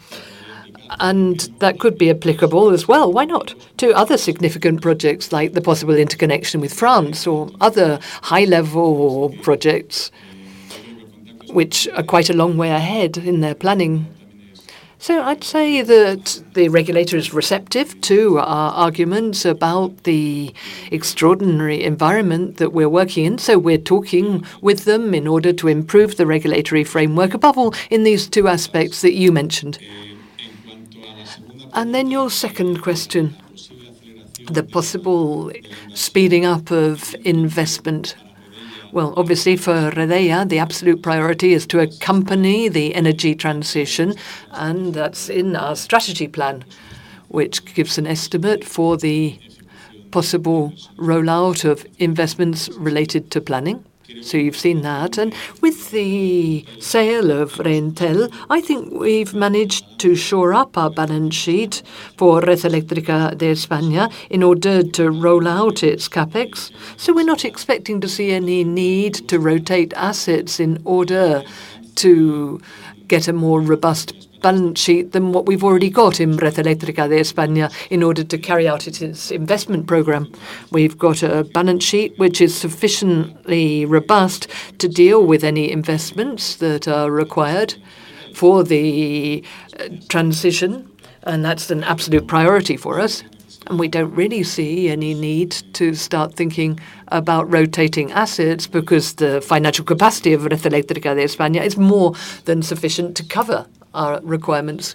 A: and that could be applicable as well, why not, to other significant projects like the possible interconnection with France or other high-level projects which are quite a long way ahead in their planning. I'd say that the regulator is receptive to our arguments about the extraordinary environment that we're working in, so we're talking with them in order to improve the regulatory framework above all in these two aspects that you mentioned. Then your second question, the possible speeding up of investment. Well, obviously for Redeia, the absolute priority is to accompany the energy transition, and that's in our strategy plan, which gives an estimate for the possible rollout of investments related to planning. You've seen that. With the sale of Reintel, I think we've managed to shore up our balance sheet for Red Eléctrica de España in order to roll out its CapEx. We're not expecting to see any need to rotate assets in order to get a more robust balance sheet than what we've already got in Red Eléctrica de España in order to carry out its investment program. We've got a balance sheet which is sufficiently robust to deal with any investments that are required for the transition, and that's an absolute priority for us. We don't really see any need to start thinking about rotating assets because the financial capacity of Red Eléctrica de España is more than sufficient to cover our requirements.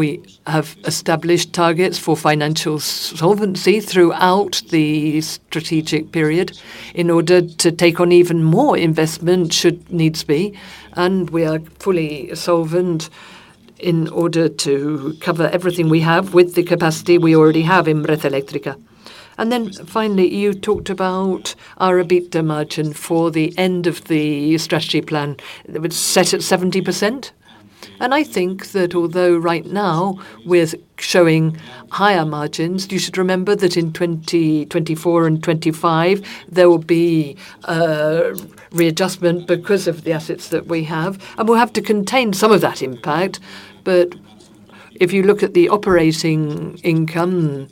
A: We have established targets for financial solvency throughout the strategic period in order to take on even more investment should needs be, and we are fully solvent in order to cover everything we have with the capacity we already have in Red Eléctrica. Then finally, you talked about our EBITDA margin for the end of the strategy plan that was set at 70%. I think that although right now we're showing higher margins, you should remember that in 2024 and 2025, there will be a readjustment because of the assets that we have, and we'll have to contain some of that impact. If you look at the operating income,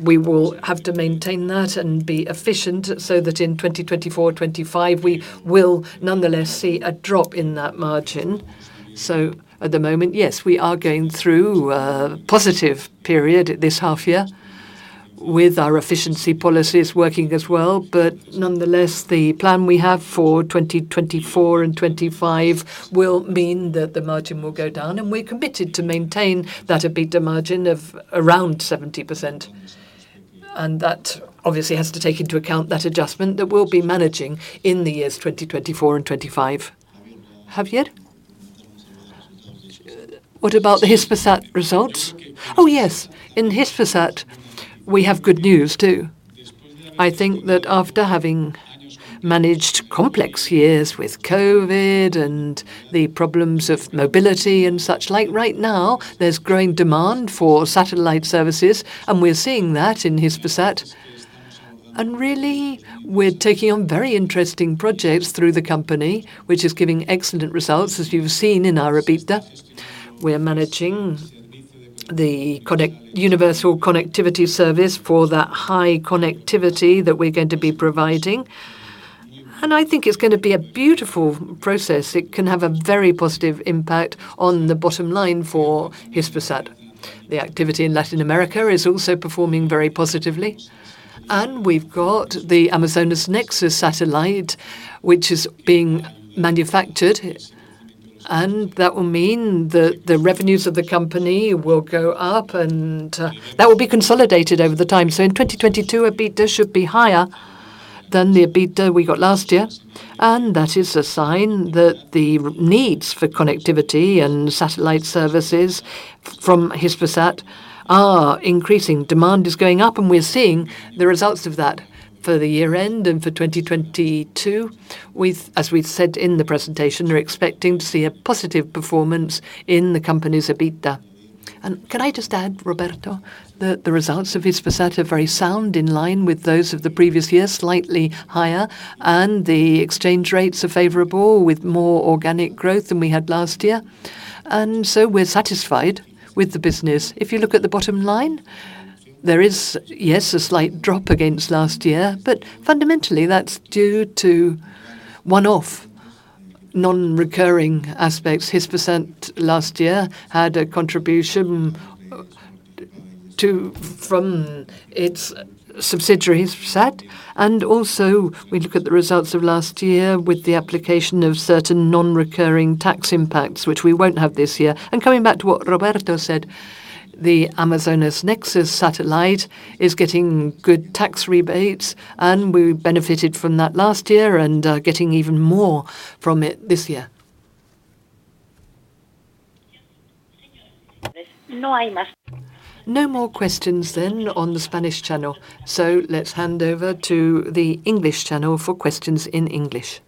A: we will have to maintain that and be efficient so that in 2024, 2025, we will nonetheless see a drop in that margin. At the moment, yes, we are going through a positive period this half year with our efficiency policies working as well. Nonetheless, the plan we have for 2024 and 2025 will mean that the margin will go down, and we're committed to maintain that EBITDA margin of around 70%. That obviously has to take into account that adjustment that we'll be managing in the years 2024 and 2025. Javier? What about the Hispasat results? Oh, yes. In Hispasat we have good news too.
B: I think that after having managed complex years with COVID and the problems of mobility and such, like right now, there's growing demand for satellite services, and we're seeing that in Hispasat. Really, we're taking on very interesting projects through the company, which is giving excellent results, as you've seen in our EBITDA. We're managing the universal connectivity service for that high connectivity that we're going to be providing. I think it's gonna be a beautiful process. It can have a very positive impact on the bottom line for Hispasat. The activity in Latin America is also performing very positively, and we've got the Amazonas Nexus satellite, which is being manufactured. That will mean the revenues of the company will go up, and that will be consolidated over time. In 2022, EBITDA should be higher than the EBITDA we got last year. That is a sign that the needs for connectivity and satellite services from Hispasat are increasing. Demand is going up, and we're seeing the results of that for the year-end and for 2022. As we've said in the presentation, we're expecting to see a positive performance in the company's EBITDA. Can I just add, Roberto, the results of Hispasat are very sound, in line with those of the previous years, slightly higher, and the exchange rates are favorable, with more organic growth than we had last year. We're satisfied with the business. If you look at the bottom line, there is, yes, a slight drop against last year, but fundamentally, that's due to one-off non-recurring aspects. Hispasat last year had a contribution from its subsidiary, Hispasat. Also, we look at the results of last year with the application of certain non-recurring tax impacts, which we won't have this year. Coming back to what Roberto said, the Amazonas Nexus satellite is getting good tax rebates, and we benefited from that last year and getting even more from it this year.
A: No more questions then on the Spanish channel, so let's hand over to the English channel for questions in English.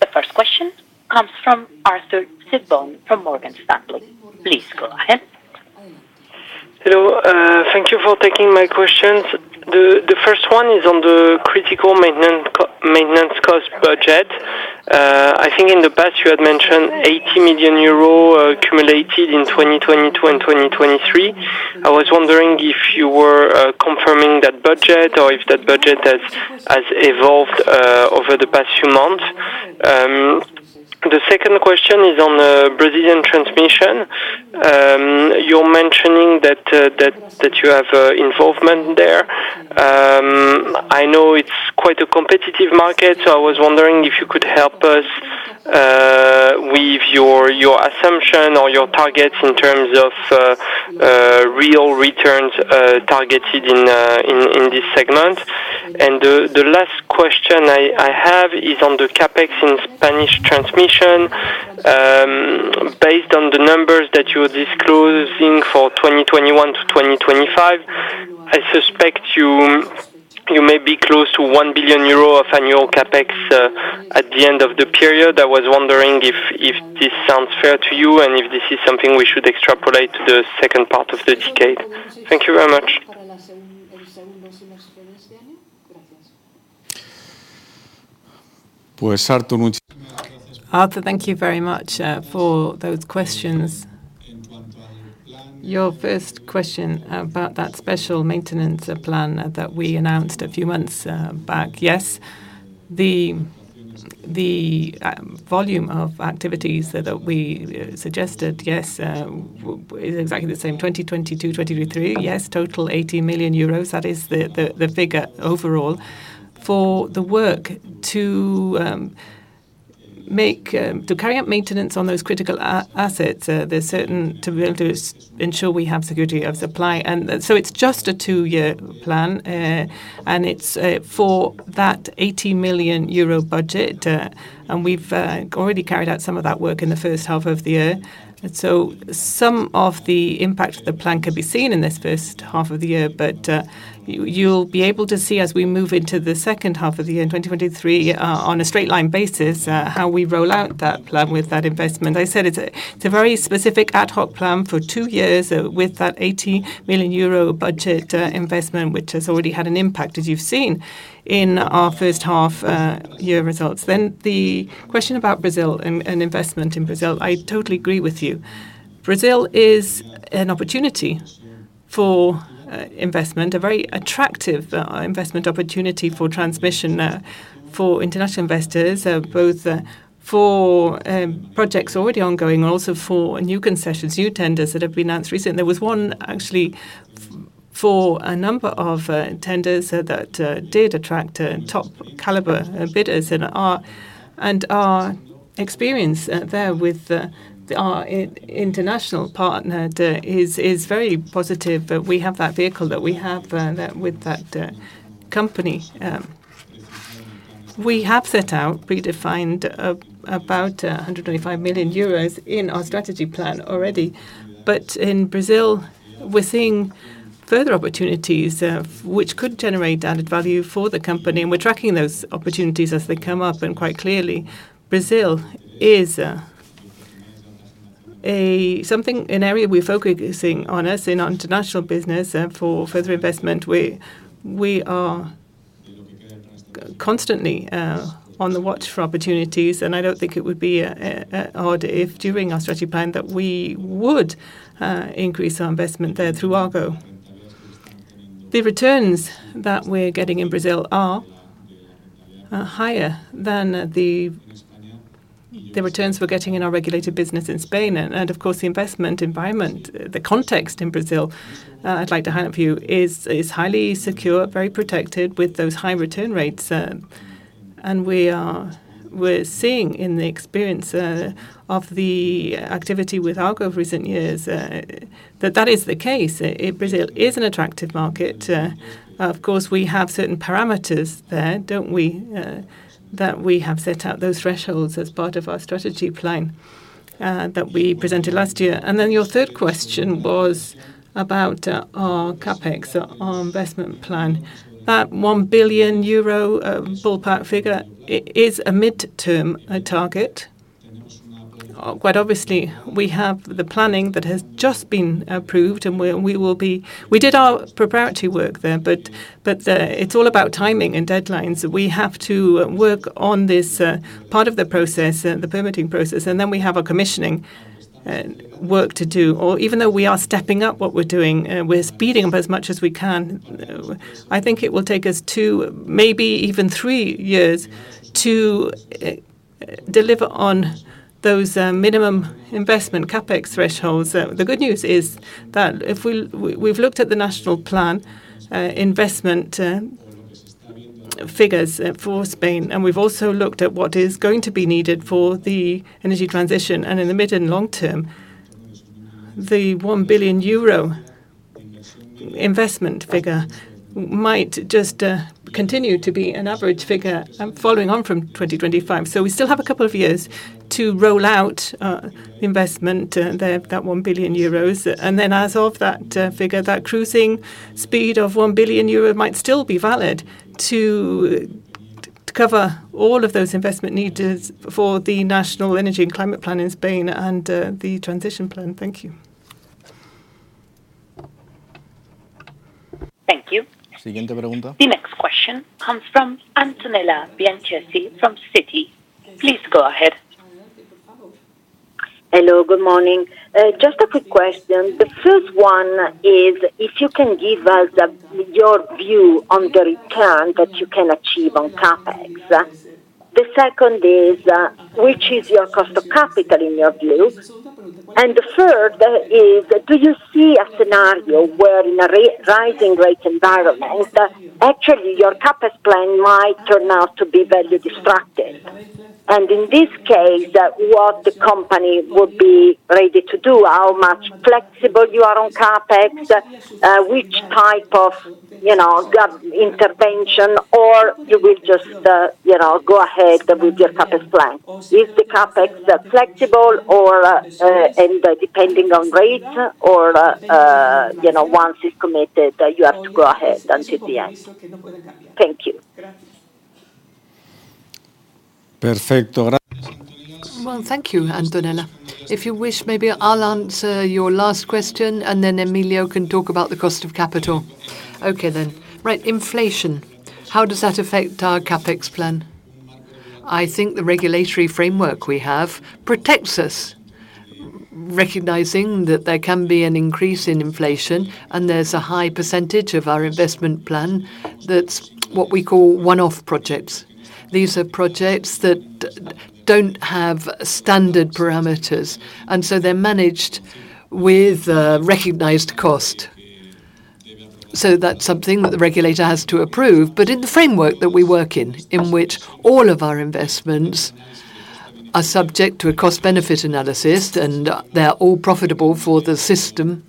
C: The first question comes from Arthur Sitbon from Morgan Stanley. Please go ahead.
E: Hello. Thank you for taking my questions. The first one is on the critical maintenance cost budget. I think in the past, you had mentioned 80 million euros accumulated in 2022 and 2023. I was wondering if you were confirming that budget or if that budget has evolved over the past few months. The second question is on the Brazilian transmission. You're mentioning that you have involvement there. I know it's quite a competitive market, so I was wondering if you could help us with your assumption or your targets in terms of real returns targeted in this segment. The last question I have is on the CapEx in Spanish transmission. Based on the numbers that you're disclosing for 2021-2025, I suspect you may be close to 1 billion euro of annual CapEx at the end of the period. I was wondering if this sounds fair to you, and if this is something we should extrapolate to the second part of the decade. Thank you very much.
B: Arthur, thank you very much for those questions. Your first question about that special maintenance plan that we announced a few months back. Yes. The volume of activities that we suggested is exactly the same. 2022, 2023, yes, total 80 million euros. That is the figure overall for the work to carry out maintenance on those critical assets to ensure we have security of supply. It's just a two-year plan, and it's for that 80 million euro budget. And we've already carried out some of that work in the first half of the year. Some of the impact of the plan can be seen in this first half of the year. You'll be able to see as we move into the second half of the year, in 2023, on a straight line basis, how we roll out that plan with that investment. I said it's a very specific ad hoc plan for two years, with that 80 million euro budget investment, which has already had an impact, as you've seen in our first half-year results. The question about Brazil and investment in Brazil. I totally agree with you. Brazil is an opportunity for investment, a very attractive investment opportunity for transmission for international investors, both for projects already ongoing and also for new concessions, new tenders that have been announced recently. There was one actually for a number of tenders that did attract top caliber bidders. Our experience there with our international partner is very positive that we have that vehicle that we have that with that company. We have set out predefined about 125 million euros in our strategy plan already. In Brazil, we're seeing further opportunities which could generate added value for the company, and we're tracking those opportunities as they come up. Quite clearly, Brazil is an area we're focusing on as in our international business for further investment. We are constantly on the watch for opportunities, and I don't think it would be odd if during our strategy plan that we would increase our investment there through Argo. The returns that we're getting in Brazil are higher than the returns we're getting in our regulated business in Spain and of course the investment environment, the context in Brazil, I'd like to highlight for you, is highly secure, very protected with those high return rates. We're seeing in the experience of the activity with Argo of recent years that is the case. Brazil is an attractive market. Of course, we have certain parameters there, don't we? That we have set out those thresholds as part of our strategy plan that we presented last year. Then your third question was about our CapEx, our investment plan. That 1 billion euro ballpark figure is a midterm target. Quite obviously we have the planning that has just been approved. We did our preparatory work there, but it's all about timing and deadlines. We have to work on this part of the process, the permitting process, and then we have our commissioning work to do. Even though we are stepping up what we're doing, we're speeding up as much as we can, I think it will take us two, maybe even three years to deliver on those minimum investment CapEx thresholds. The good news is that we've looked at the national plan investment figures for Spain, and we've also looked at what is going to be needed for the energy transition. In the mid and long term, the 1 billion euro investment figure might just continue to be an average figure, following on from 2025. We still have a couple of years to roll out investment there, that 1 billion euros. Then as of that figure, that cruising speed of 1 billion euros might still be valid to cover all of those investment needs for the National Energy and Climate Plan in Spain and the transition plan. Thank you.
C: Thank you. The next question comes from Antonella Bianchessi from Citi. Please go ahead.
F: Hello, good morning. Just a quick question. The first one is if you can give us your view on the return that you can achieve on CapEx. The second is, what is your cost of capital in your view? And the third is, do you see a scenario where in a rising rate environment that actually your CapEx plan might turn out to be very distracting? And in this case, what the company would be ready to do, how flexible you are on CapEx, which type of, you know, government intervention, or you will just, you know, go ahead with your CapEx plan. Is the CapEx flexible or depending on rates or, you know, once it's committed, you have to go ahead until the end? Thank you. Perfecto.
A: Well, thank you, Antonella. If you wish, maybe I'll answer your last question, and then Emilio can talk about the cost of capital. Okay. Right, inflation, how does that affect our CapEx plan? I think the regulatory framework we have protects us, recognizing that there can be an increase in inflation, and there's a high percentage of our investment plan that's what we call one-off projects. These are projects that don't have standard parameters, and so they're managed with recognized cost. That's something that the regulator has to approve. In the framework that we work in which all of our investments are subject to a cost-benefit analysis, and they are all profitable for the system,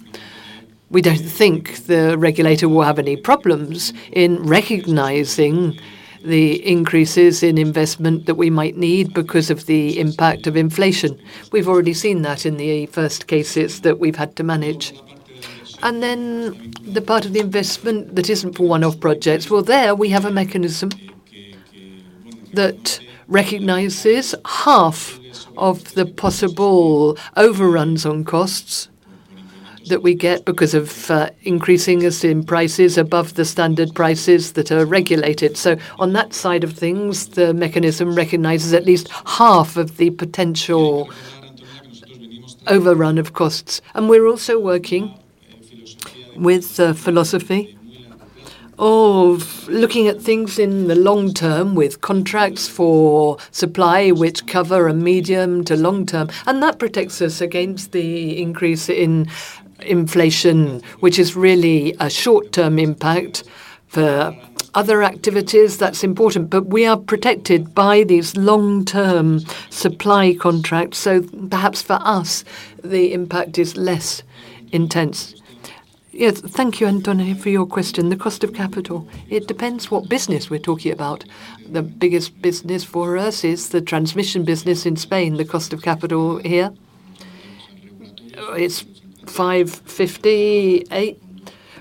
A: we don't think the regulator will have any problems in recognizing the increases in investment that we might need because of the impact of inflation. We've already seen that in the first cases that we've had to manage. Then the part of the investment that isn't for one-off projects, well, there we have a mechanism that recognizes half of the possible overruns on costs that we get because of increases in prices above the standard prices that are regulated. On that side of things, the mechanism recognizes at least half of the potential overrun of costs. We're also working with a philosophy of looking at things in the long term, with contracts for supply which cover a medium to long term, and that protects us against the increase in inflation, which is really a short-term impact for other activities. That's important, but we are protected by these long-term supply contracts, so perhaps for us, the impact is less intense.
B: Yes. Thank you, Antonio, for your question. The cost of capital, it depends what business we're talking about. The biggest business for us is the transmission business in Spain. The cost of capital here, it's 5.58%,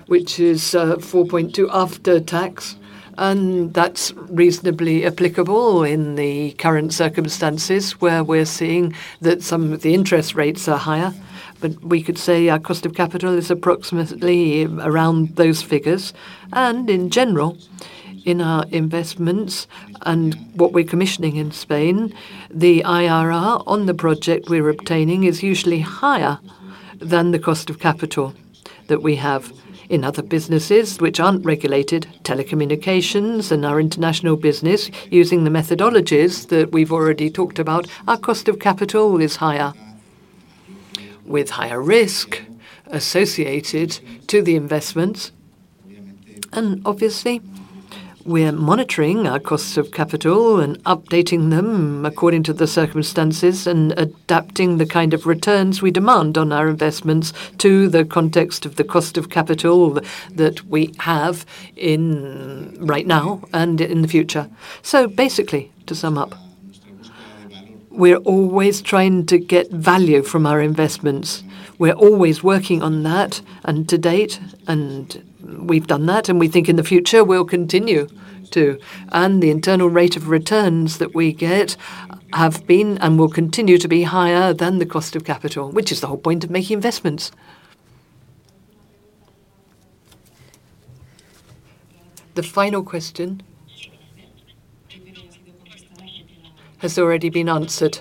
B: which is 4.2% after tax, and that's reasonably applicable in the current circumstances, where we're seeing that some of the interest rates are higher. We could say our cost of capital is approximately around those figures. In general, in our investments and what we're commissioning in Spain, the IRR on the project we're obtaining is usually higher than the cost of capital that we have. In other businesses which aren't regulated, telecommunications and our international business, using the methodologies that we've already talked about, our cost of capital is higher, with higher risk associated to the investments. Obviously, we're monitoring our costs of capital and updating them according to the circumstances and adapting the kind of returns we demand on our investments to the context of the cost of capital that we have right now, and in the future. Basically, to sum up, we're always trying to get value from our investments. We're always working on that and to date, and we've done that, and we think in the future we'll continue to. The internal rate of returns that we get have been and will continue to be higher than the cost of capital, which is the whole point of making investments. The final question has already been answered.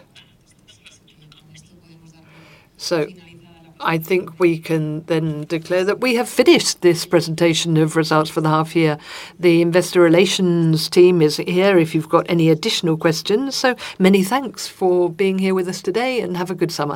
B: I think we can then declare that we have finished this presentation of results for the half year. The investor relations team is here if you've got any additional questions. Many thanks for being here with us today, and have a good summer.